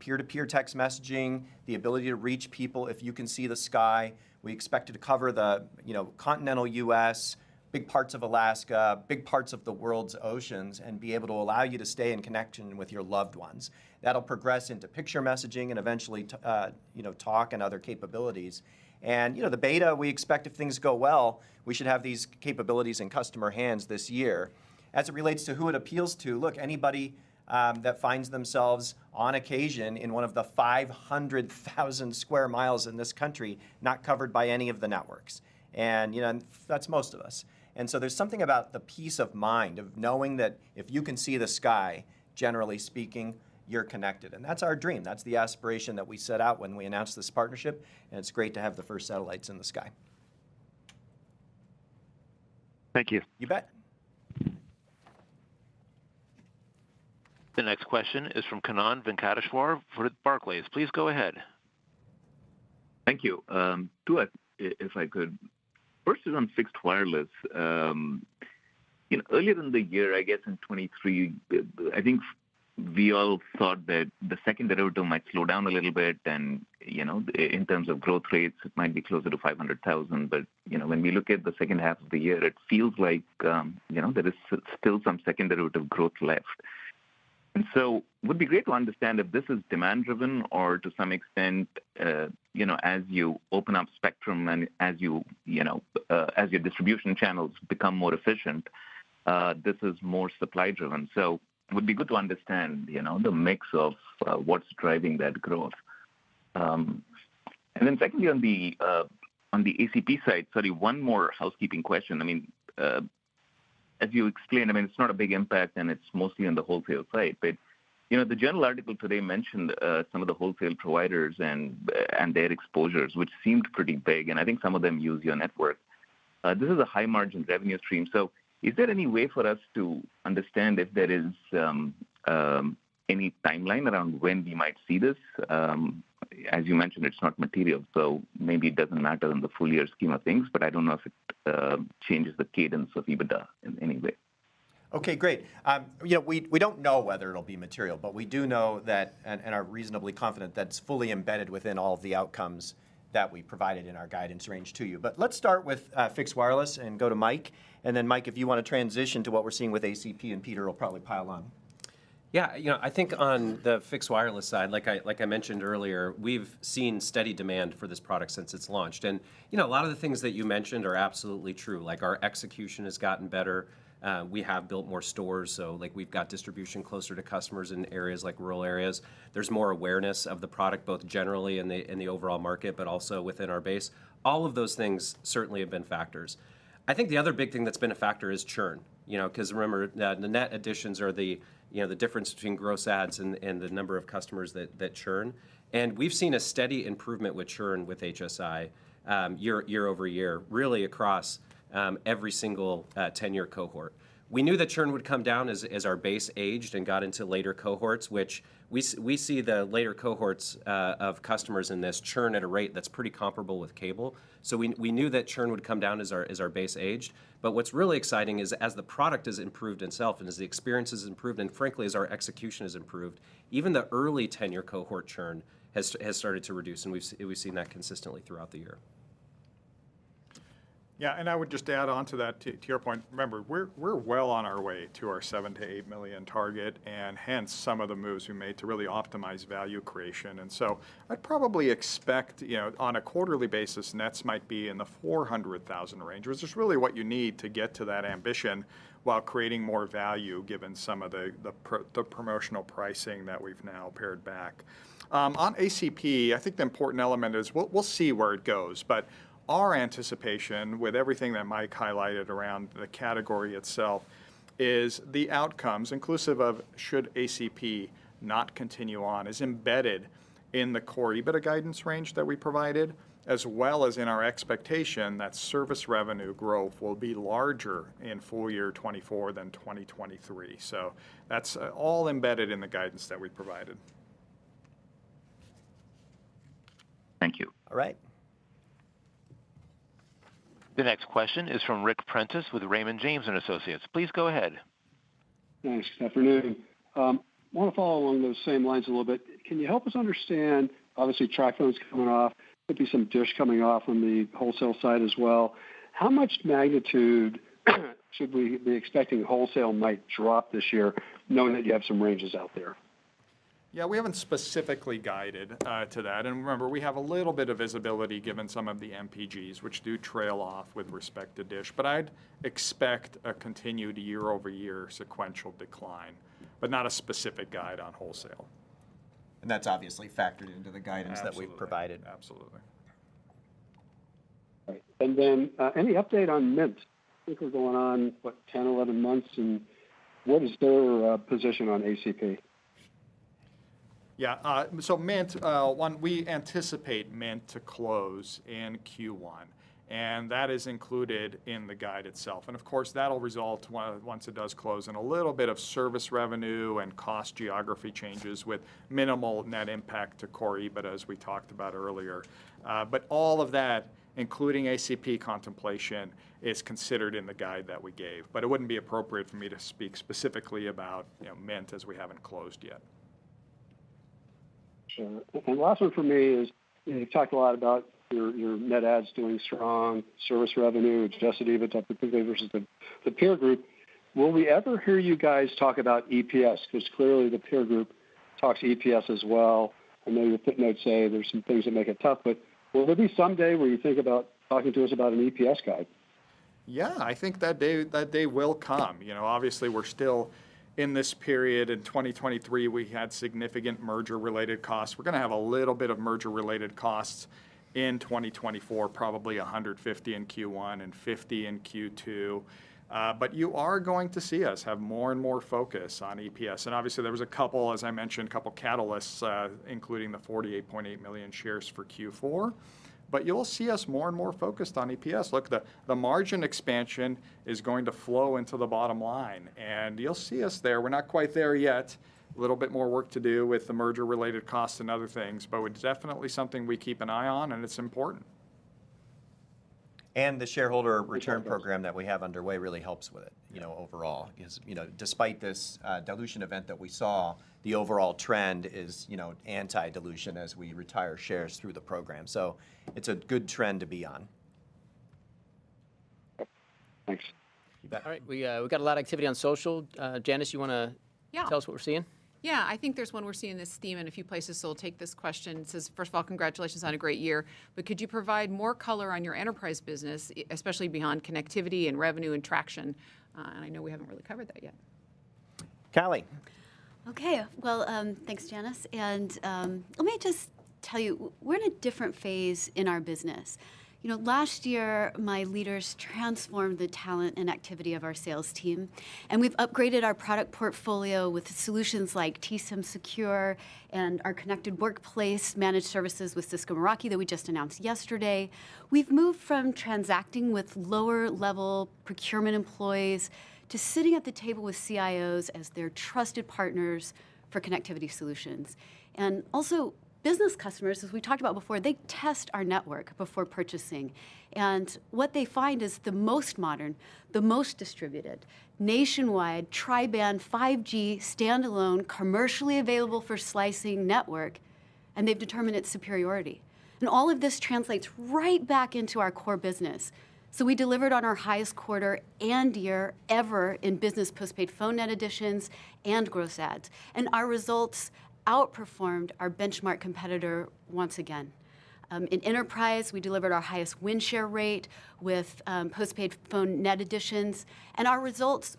Peer-to-peer text messaging, the ability to reach people if you can see the sky. We expect it to cover the, you know, continental U.S., big parts of Alaska, big parts of the world's oceans, and be able to allow you to stay in connection with your loved ones. That'll progress into picture messaging and eventually to, you know, talk and other capabilities. And, you know, the beta, we expect if things go well, we should have these capabilities in customer hands this year. As it relates to who it appeals to, look, anybody that finds themselves on occasion in one of the 500,000 sq mi in this country, not covered by any of the networks, and, you know, and that's most of us. And so there's something about the peace of mind, of knowing that if you can see the sky, generally speaking, you're connected, and that's our dream. That's the aspiration that we set out when we announced this partnership, and it's great to have the first satellites in the sky. Thank you. You bet. The next question is from Kannan Venkateshwar for Barclays. Please go ahead. Thank you. Too, if I could. First is on Fixed Wireless. You know, earlier in the year, I guess in 2023, I think we all thought that the second derivative might slow down a little bit and, you know, in terms of growth rates, it might be closer to 500,000. But, you know, when we look at the second half of the year, it feels like, you know, there is still some second derivative growth left. And so would be great to understand if this is demand driven or to some extent, you know, as you open up spectrum and as you, you know, as your distribution channels become more efficient, this is more supply driven. So would be good to understand, you know, the mix of, what's driving that growth. And then secondly, on the, on the ACP side, sorry, one more housekeeping question. I mean, as you explained, I mean, it's not a big impact, and it's mostly on the wholesale side, but, you know, the journal article today mentioned, some of the wholesale providers and, and their exposures, which seemed pretty big, and I think some of them use your network. This is a high-margin revenue stream, so is there any way for us to understand if there is, any timeline around when we might see this? As you mentioned, it's not material, so maybe it doesn't matter in the full year scheme of things, but I don't know if it, changes the cadence of EBITDA in any way. Okay, great. Yeah, we don't know whether it'll be material, but we do know that, and are reasonably confident that it's fully embedded within all of the outcomes that we provided in our guidance range to you. But let's start with Fixed Wireless and go to Mike. Then, Mike, if you want to transition to what we're seeing with ACP, and Peter will probably pile on. Yeah, you know, I think on the Fixed Wireless side, like I, like I mentioned earlier, we've seen steady demand for this product since it's launched. And, you know, a lot of the things that you mentioned are absolutely true. Like, our execution has gotten better, we have built more stores, so, like, we've got distribution closer to customers in areas like rural areas. There's more awareness of the product, both generally in the overall market, but also within our base. All of those things certainly have been factors. I think the other big thing that's been a factor is churn. You know, because remember, the net additions are the, you know, the difference between gross adds and the number of customers that churn. And we've seen a steady improvement with churn with HSI, year over year, really across every single tenure cohort. We knew that churn would come down as our base aged and got into later cohorts, which we see the later cohorts of customers in this churn at a rate that's pretty comparable with cable. So we knew that churn would come down as our base aged. But what's really exciting is, as the product has improved itself and as the experience has improved, and frankly, as our execution has improved, even the early tenure cohort churn has started to reduce, and we've seen that consistently throughout the year. Yeah, and I would just add on to that, to your point. Remember, we're well on our way to our 7-8 million target, and hence, some of the moves we made to really optimize value creation. And so I'd probably expect, you know, on a quarterly basis, nets might be in the 400,000 range, which is really what you need to get to that ambition while creating more value, given some of the, the promotional pricing that we've now pared back. On ACP, I think the important element is we'll, we'll see where it goes, but our anticipation, with everything that Mike highlighted around the category itself, is the outcomes, inclusive of should ACP not continue on, is embedded in the core EBITDA guidance range that we provided, as well as in our expectation that service revenue growth will be larger in full year 2024 than 2023. So that's all embedded in the guidance that we provided. Thank you. All right. The next question is from Rick Prentiss with Raymond James & Associates. Please go ahead. Thanks. Good afternoon. I want to follow along those same lines a little bit. Can you help us understand, obviously, Tracfone's coming off, could be some Dish coming off on the wholesale side as well. How much magnitude should we be expecting wholesale might drop this year, knowing that you have some ranges out there? Yeah, we haven't specifically guided to that. And remember, we have a little bit of visibility given some of the MPGs, which do trail off with respect to Dish. But I'd expect a continued year-over-year sequential decline, but not a specific guide on wholesale. That's obviously factored into the guidance- Absolutely... that we've provided. Absolutely. All right. And then, any update on Mint? I think we're going on, what, 10, 11 months, and what is their position on ACP? Yeah, so Mint, one, we anticipate Mint to close in Q1, and that is included in the guide itself. And of course, that'll result, one, once it does close, in a little bit of service revenue and cost geography changes with minimal net impact to core, but as we talked about earlier. But all of that, including ACP contemplation, is considered in the guide that we gave, but it wouldn't be appropriate for me to speak specifically about, you know, Mint as we haven't closed yet. Sure. And last one for me is, you've talked a lot about your, your net adds doing strong, service revenue, adjusted EBITDA particularly versus the, the peer group. Will we ever hear you guys talk about EPS? Because clearly the peer group talks EPS as well. I know your footnotes say there's some things that make it tough, but will there be some day where you think about talking to us about an EPS guide? Yeah, I think that day, that day will come. You know, obviously, we're still in this period. In 2023, we had significant merger-related costs. We're gonna have a little bit of merger-related costs in 2024, probably $150 million in Q1 and $50 million in Q2. But you are going to see us have more and more focus on EPS. And obviously, there was a couple, as I mentioned, a couple catalysts, including the 48.8 million shares for Q4. But you'll see us more and more focused on EPS. Look, the, the margin expansion is going to flow into the bottom line, and you'll see us there. We're not quite there yet. A little bit more work to do with the merger-related costs and other things, but it's definitely something we keep an eye on, and it's important. The shareholder return program that we have underway really helps with it- Yeah... you know, overall. Because, you know, despite this, dilution event that we saw, the overall trend is, you know, anti-dilution as we retire shares through the program. So it's a good trend to be on. Thanks. You bet. All right, we've got a lot of activity on social. Janice, you wanna- Yeah... tell us what we're seeing? Yeah, I think there's one. We're seeing this theme in a few places, so I'll take this question. It says, "First of all, congratulations on a great year, but could you provide more color on your enterprise business, especially beyond connectivity and revenue and traction?" And I know we haven't really covered that yet. Callie. Okay. Well, thanks, Janice. And, let me just tell you, we're in a different phase in our business. You know, last year, my leaders transformed the talent and activity of our sales team, and we've upgraded our product portfolio with solutions like T-SIMsecure and our Connected Workplace Managed Services with Cisco Meraki that we just announced yesterday. We've moved from transacting with lower-level procurement employees to sitting at the table with CIOs as their trusted partners for connectivity solutions. And also, business customers, as we talked about before, they test our network before purchasing, and what they find is the most modern, the most distributed nationwide tri-band, 5G, standalone, commercially available for slicing network, and they've determined its superiority. And all of this translates right back into our core business. So we delivered on our highest quarter and year ever in business postpaid phone net additions and gross adds, and our results outperformed our benchmark competitor once again. In enterprise, we delivered our highest win share rate with postpaid phone net additions, and our results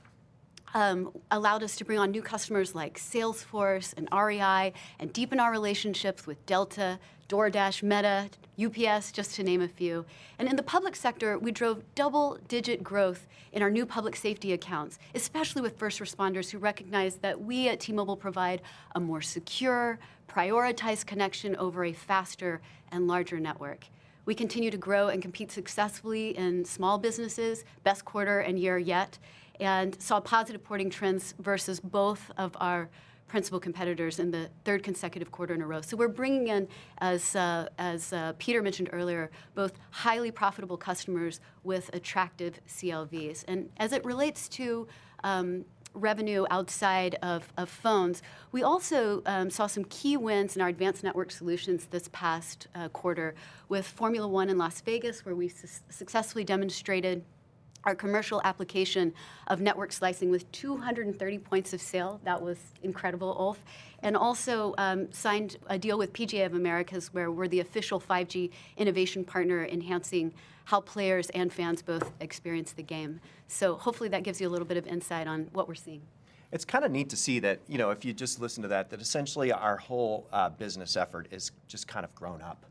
allowed us to bring on new customers like Salesforce and REI, and deepen our relationships with Delta, DoorDash, Meta, UPS, just to name a few. In the public sector, we drove double-digit growth in our new public safety accounts, especially with first responders who recognize that we at T-Mobile provide a more secure, prioritized connection over a faster and larger network. We continue to grow and compete successfully in small businesses, best quarter and year yet, and saw positive porting trends versus both of our principal competitors in the third consecutive quarter in a row. So we're bringing in, as, as, Peter mentioned earlier, both highly profitable customers with attractive CLVs. And as it relates to revenue outside of phones, we also saw some key wins in our advanced network solutions this past quarter with Formula 1 in Las Vegas, where we successfully demonstrated our commercial application of network slicing with 230 points of sale. That was incredible, Ulf. And also signed a deal with PGA of America, where we're the official 5G innovation partner, enhancing how players and fans both experience the game. So hopefully that gives you a little bit of insight on what we're seeing. It's kind of neat to see that, you know, if you just listen to that, that essentially our whole business effort is just kind of grown up.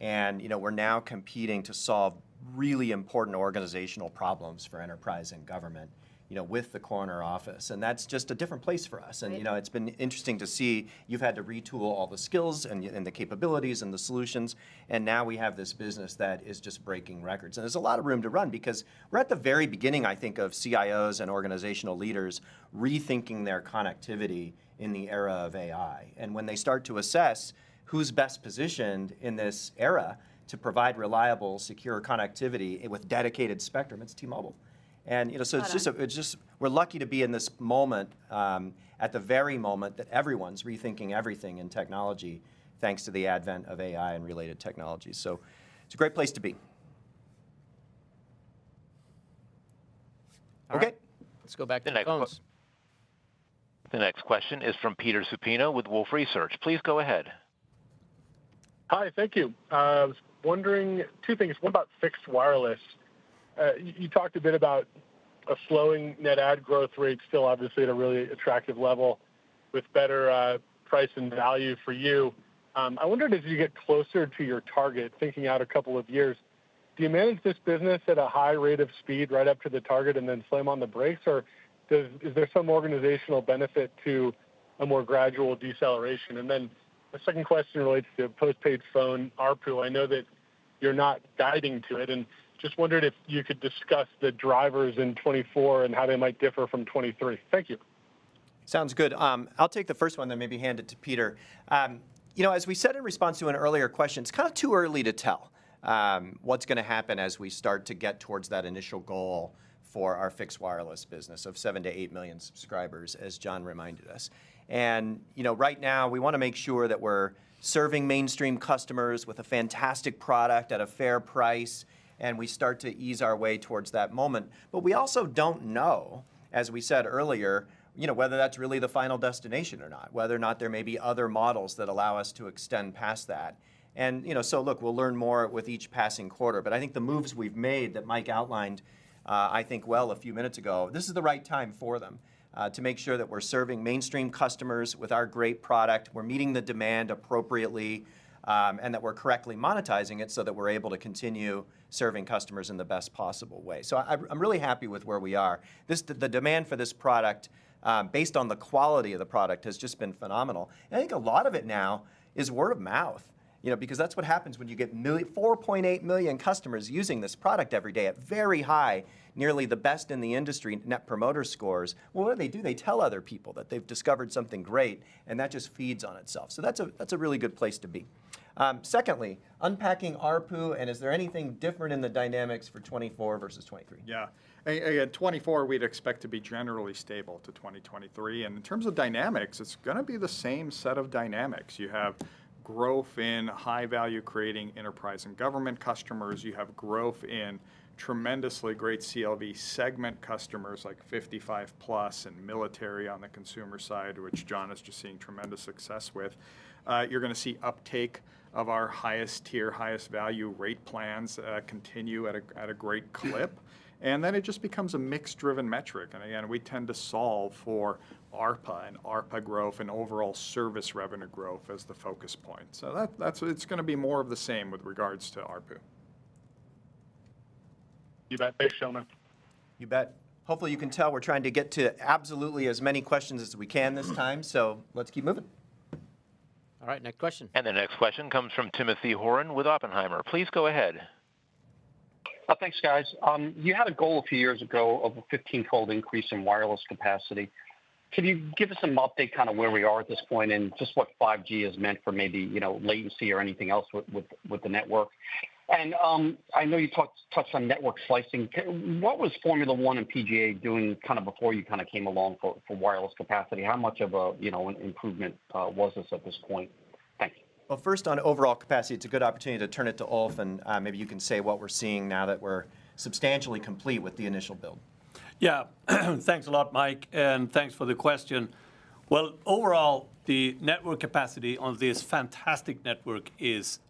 Yeah. You know, we're now competing to solve really important organizational problems for enterprise and government, you know, with the corner office, and that's just a different place for us. It is. You know, it's been interesting to see you've had to retool all the skills and the capabilities and the solutions, and now we have this business that is just breaking records. And there's a lot of room to run because we're at the very beginning, I think, of CIOs and organizational leaders rethinking their connectivity in the era of AI. And when they start to assess who's best positioned in this era to provide reliable, secure connectivity with dedicated spectrum, it's T-Mobile. And, you know— Without a doubt.... so it's just we're lucky to be in this moment, at the very moment that everyone's rethinking everything in technology, thanks to the advent of AI and related technologies. So it's a great place to be.... Okay, let's go back to the phones. The next question is from Peter Supino with Wolfe Research. Please go ahead. Hi, thank you. I was wondering two things. What about fixed wireless? You talked a bit about a slowing net add growth rate, still obviously at a really attractive level with better price and value for you. I wondered as you get closer to your target, thinking out a couple of years, do you manage this business at a high rate of speed right up to the target and then slam on the brakes? Or is there some organizational benefit to a more gradual deceleration? And then the second question relates to postpaid phone ARPU. I know that you're not guiding to it, and just wondered if you could discuss the drivers in 2024 and how they might differ from 2023. Thank you. Sounds good. I'll take the first one, then maybe hand it to Peter. You know, as we said in response to an earlier question, it's kind of too early to tell, what's gonna happen as we start to get towards that initial goal for our fixed wireless business of 7-8 million subscribers, as John reminded us. You know, right now we want to make sure that we're serving mainstream customers with a fantastic product at a fair price, and we start to ease our way towards that moment. But we also don't know, as we said earlier, you know, whether that's really the final destination or not, whether or not there may be other models that allow us to extend past that. You know, so look, we'll learn more with each passing quarter, but I think the moves we've made that Mike outlined, I think well a few minutes ago, this is the right time for them to make sure that we're serving mainstream customers with our great product, we're meeting the demand appropriately, and that we're correctly monetizing it so that we're able to continue serving customers in the best possible way. So I'm really happy with where we are. This, the demand for this product, based on the quality of the product, has just been phenomenal, and I think a lot of it now is word of mouth. You know, because that's what happens when you get 4.8 million customers using this product every day at very high, nearly the best in the industry, net promoter scores. Well, what do they do? They tell other people that they've discovered something great, and that just feeds on itself. So that's a, that's a really good place to be. Secondly, unpacking ARPU, and is there anything different in the dynamics for 2024 versus 2023? Yeah. Again, 2024, we'd expect to be generally stable to 2023. And in terms of dynamics, it's gonna be the same set of dynamics. You have growth in high-value creating enterprise and government customers, you have growth in tremendously great CLV segment customers, like 55+ and military on the consumer side, which John is just seeing tremendous success with. You're gonna see uptake of our highest tier, highest value rate plans continue at a great clip. And then it just becomes a mix-driven metric. And again, we tend to solve for ARPA and ARPA growth and overall service revenue growth as the focus point. So that's-- it's gonna be more of the same with regards to ARPU. You bet. Thanks, Sheldon. You bet. Hopefully, you can tell we're trying to get to absolutely as many questions as we can this time, so let's keep moving. All right, next question. The next question comes from Timothy Horan with Oppenheimer. Please go ahead. Thanks, guys. You had a goal a few years ago of a 15-fold increase in wireless capacity. Can you give us an update, kind of where we are at this point, and just what 5G has meant for maybe, you know, latency or anything else with the network? And, I know you touched on network slicing. What was Formula 1 and PGA doing kind of before you kinda came along for wireless capacity? How much of a, you know, an improvement was this at this point? Thank you. Well, first, on overall capacity, it's a good opportunity to turn it to Ulf, and maybe you can say what we're seeing now that we're substantially complete with the initial build. Yeah. Thanks a lot, Mike, and thanks for the question. Well, overall, the network capacity on this fantastic network is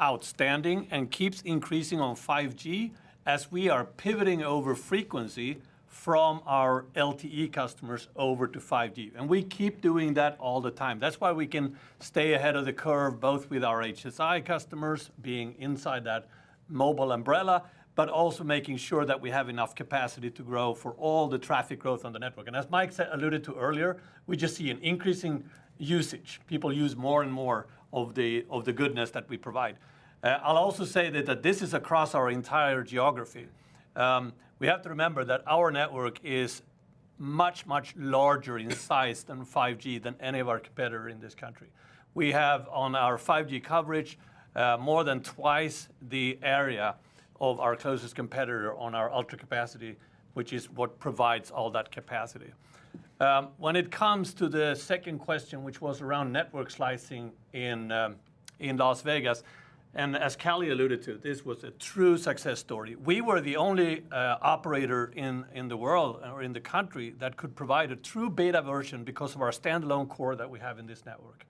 outstanding and keeps increasing on 5G as we are pivoting over frequency from our LTE customers over to 5G. We keep doing that all the time. That's why we can stay ahead of the curve, both with our HSI customers being inside that mobile umbrella, but also making sure that we have enough capacity to grow for all the traffic growth on the network. As Mike alluded to earlier, we just see an increasing usage. People use more and more of the goodness that we provide. I'll also say that this is across our entire geography. We have to remember that our network is much, much larger in size than 5G than any of our competitor in this country. We have, on our 5G coverage, more than twice the area of our closest competitor on our ultra capacity, which is what provides all that capacity. When it comes to the second question, which was around network slicing in Las Vegas, and as Callie alluded to, this was a true success story. We were the only operator in the world or in the country that could provide a true beta version because of our standalone core that we have in this network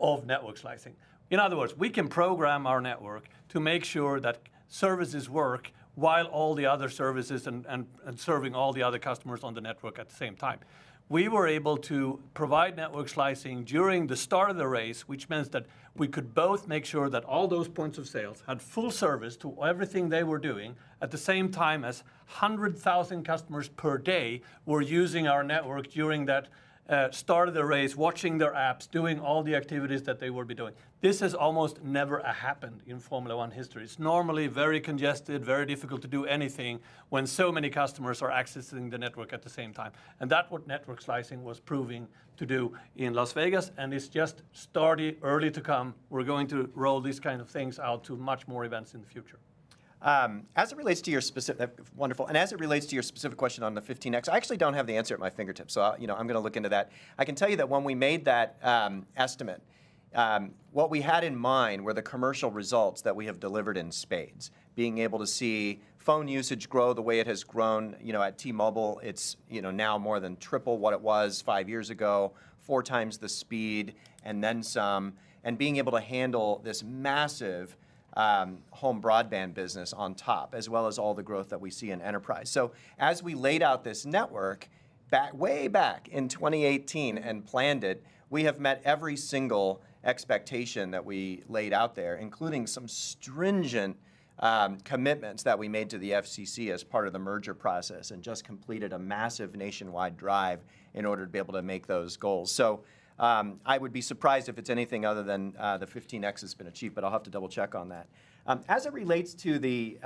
of network slicing. In other words, we can program our network to make sure that services work while all the other services and serving all the other customers on the network at the same time. We were able to provide Network Slicing during the start of the race, which means that we could both make sure that all those points of sales had full service to everything they were doing, at the same time as 100,000 customers per day were using our network during that, start of the race, watching their apps, doing all the activities that they would be doing. This has almost never happened in Formula 1 history. It's normally very congested, very difficult to do anything when so many customers are accessing the network at the same time. And that's what Network Slicing was proving to do in Las Vegas, and it's just starting early to come. We're going to roll these kind of things out to much more events in the future. ... as it relates to your specific—wonderful! And as it relates to your specific question on the 15X, I actually don't have the answer at my fingertips, so I, you know, I'm gonna look into that. I can tell you that when we made that estimate, what we had in mind were the commercial results that we have delivered in spades. Being able to see phone usage grow the way it has grown, you know, at T-Mobile, it's, you know, now more than triple what it was 5 years ago, 4 times the speed, and then some, and being able to handle this massive home broadband business on top, as well as all the growth that we see in enterprise. So as we laid out this network way back in 2018 and planned it, we have met every single expectation that we laid out there, including some stringent commitments that we made to the FCC as part of the merger process, and just completed a massive nationwide drive in order to be able to make those goals. So I would be surprised if it's anything other than the 15x has been achieved, but I'll have to double-check on that. As it relates to the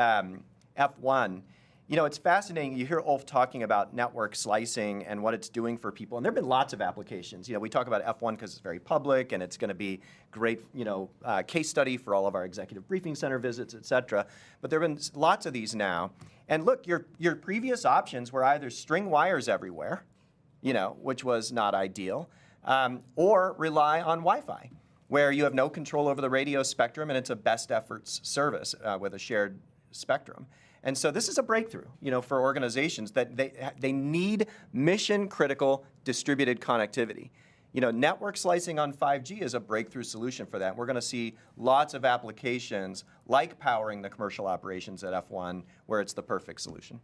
F1, you know, it's fascinating, you hear Ulf talking about network slicing and what it's doing for people, and there have been lots of applications. You know, we talk about F1 'cause it's very public, and it's gonna be great, you know, case study for all of our executive briefing center visits, et cetera. But there have been lots of these now, and look, your previous options were either string wires everywhere, you know, which was not ideal, or rely on Wi-Fi, where you have no control over the radio spectrum, and it's a best efforts service with a shared spectrum. And so this is a breakthrough, you know, for organizations that they need mission-critical, distributed connectivity. You know, network slicing on 5G is a breakthrough solution for that, and we're gonna see lots of applications, like powering the commercial operations at F1, where it's the perfect solution.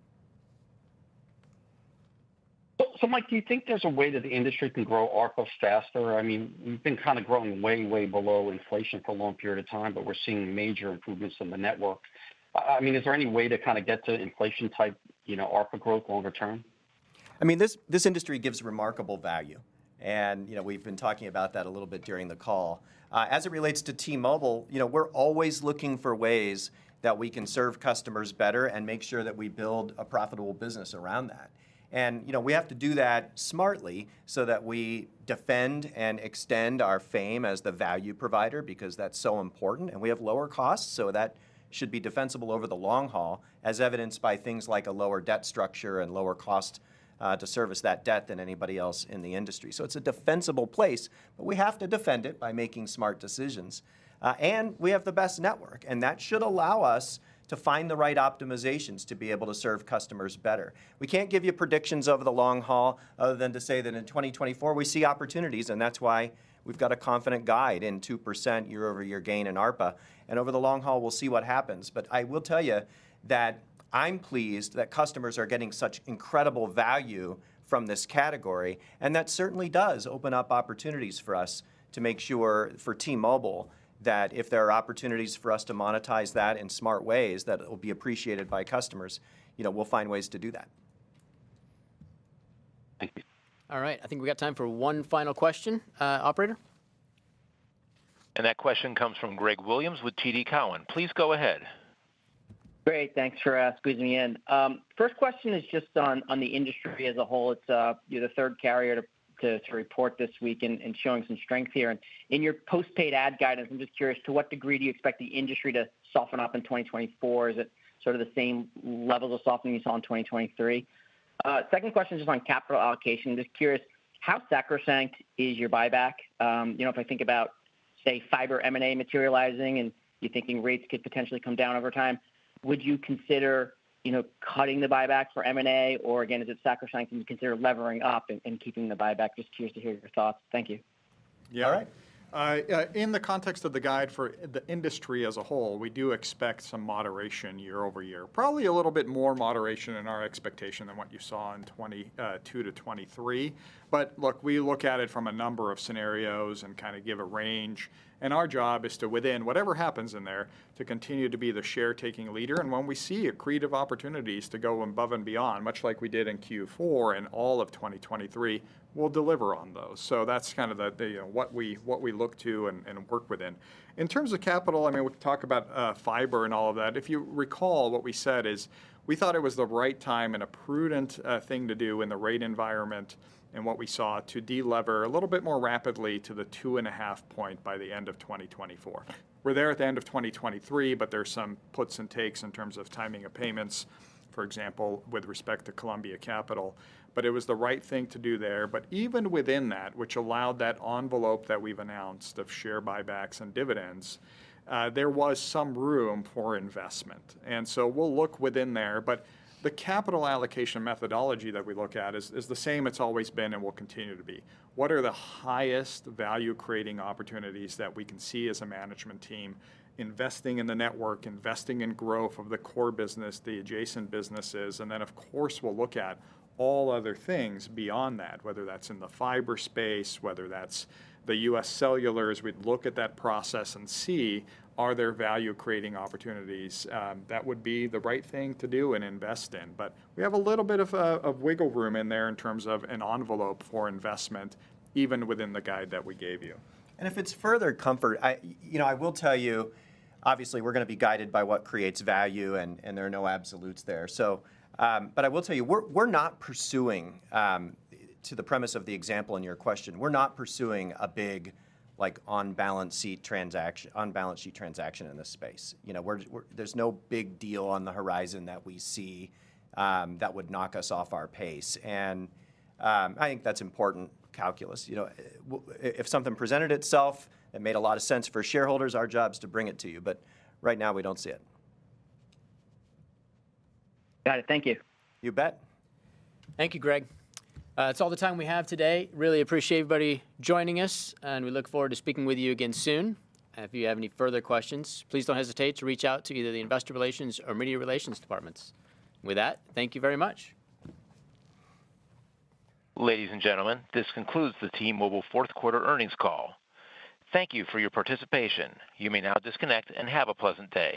So, so Mike, do you think there's a way that the industry can grow ARPU faster? I mean, we've been kind of growing way, way below inflation for a long period of time, but we're seeing major improvements in the network. I mean, is there any way to kind of get to inflation type, you know, ARPA growth longer term? I mean, this industry gives remarkable value, and, you know, we've been talking about that a little bit during the call. As it relates to T-Mobile, you know, we're always looking for ways that we can serve customers better and make sure that we build a profitable business around that. And, you know, we have to do that smartly so that we defend and extend our fame as the value provider, because that's so important, and we have lower costs, so that should be defensible over the long haul, as evidenced by things like a lower debt structure and lower cost to service that debt than anybody else in the industry. So it's a defensible place, but we have to defend it by making smart decisions. And we have the best network, and that should allow us to find the right optimizations to be able to serve customers better. We can't give you predictions over the long haul other than to say that in 2024 we see opportunities, and that's why we've got a confident guide in 2% year-over-year gain in ARPA. And over the long haul, we'll see what happens. But I will tell you that I'm pleased that customers are getting such incredible value from this category, and that certainly does open up opportunities for us to make sure, for T-Mobile, that if there are opportunities for us to monetize that in smart ways, that it will be appreciated by customers. You know, we'll find ways to do that. Thank you. All right, I think we've got time for one final question. Operator? That question comes from Greg Williams with TD Cowen. Please go ahead. Great, thanks for squeezing me in. First question is just on the industry as a whole. It's you're the third carrier to report this week, and showing some strength here. And in your prepaid add guidance, I'm just curious, to what degree do you expect the industry to soften up in 2024? Is it sort of the same levels of softening you saw in 2023? Second question is just on capital allocation. Just curious, how sacrosanct is your buyback? You know, if I think about, say, fiber M&A materializing, and you're thinking rates could potentially come down over time, would you consider, you know, cutting the buyback for M&A? Or again, is it sacrosanct, and you consider levering up and keeping the buyback? Just curious to hear your thoughts. Thank you. Yeah. All right. In the context of the guide for the industry as a whole, we do expect some moderation year-over-year. Probably a little bit more moderation in our expectation than what you saw in 2022 to 2023. But look, we look at it from a number of scenarios and kind of give a range, and our job is to, within whatever happens in there, to continue to be the share taking leader. And when we see accretive opportunities to go above and beyond, much like we did in Q4 and all of 2023, we'll deliver on those. So that's kind of the what we look to and work within. In terms of capital, I mean, we can talk about fiber and all of that. If you recall, what we said is, we thought it was the right time and a prudent thing to do in the rate environment and what we saw to delever a little bit more rapidly to the 2.5 point by the end of 2024. We're there at the end of 2023, but there's some puts and takes in terms of timing of payments, for example, with respect to Columbia Capital, but it was the right thing to do there. But even within that, which allowed that envelope that we've announced of share buybacks and dividends, there was some room for investment, and so we'll look within there. But the capital allocation methodology that we look at is, is the same it's always been and will continue to be. What are the highest value-creating opportunities that we can see as a management team? Investing in the network, investing in growth of the core business, the adjacent businesses, and then, of course, we'll look at all other things beyond that, whether that's in the fiber space, whether that's the UScellular We'd look at that process and see, are there value-creating opportunities that would be the right thing to do and invest in. But we have a little bit of wiggle room in there in terms of an envelope for investment, even within the guide that we gave you. If it's further comfort, you know, I will tell you, obviously, we're gonna be guided by what creates value, and there are no absolutes there. So, but I will tell you, we're not pursuing, to the premise of the example in your question, we're not pursuing a big, like, on balance sheet transaction in this space. You know, there's no big deal on the horizon that we see, that would knock us off our pace, and I think that's important calculus. You know, if something presented itself that made a lot of sense for shareholders, our job is to bring it to you, but right now we don't see it. Got it. Thank you. You bet. Thank you, Greg. That's all the time we have today. Really appreciate everybody joining us, and we look forward to speaking with you again soon. If you have any further questions, please don't hesitate to reach out to either the Investor Relations or Media Relations departments. With that, thank you very much. Ladies and gentlemen, this concludes the T-Mobile fourth quarter earnings call. Thank you for your participation. You may now disconnect and have a pleasant day.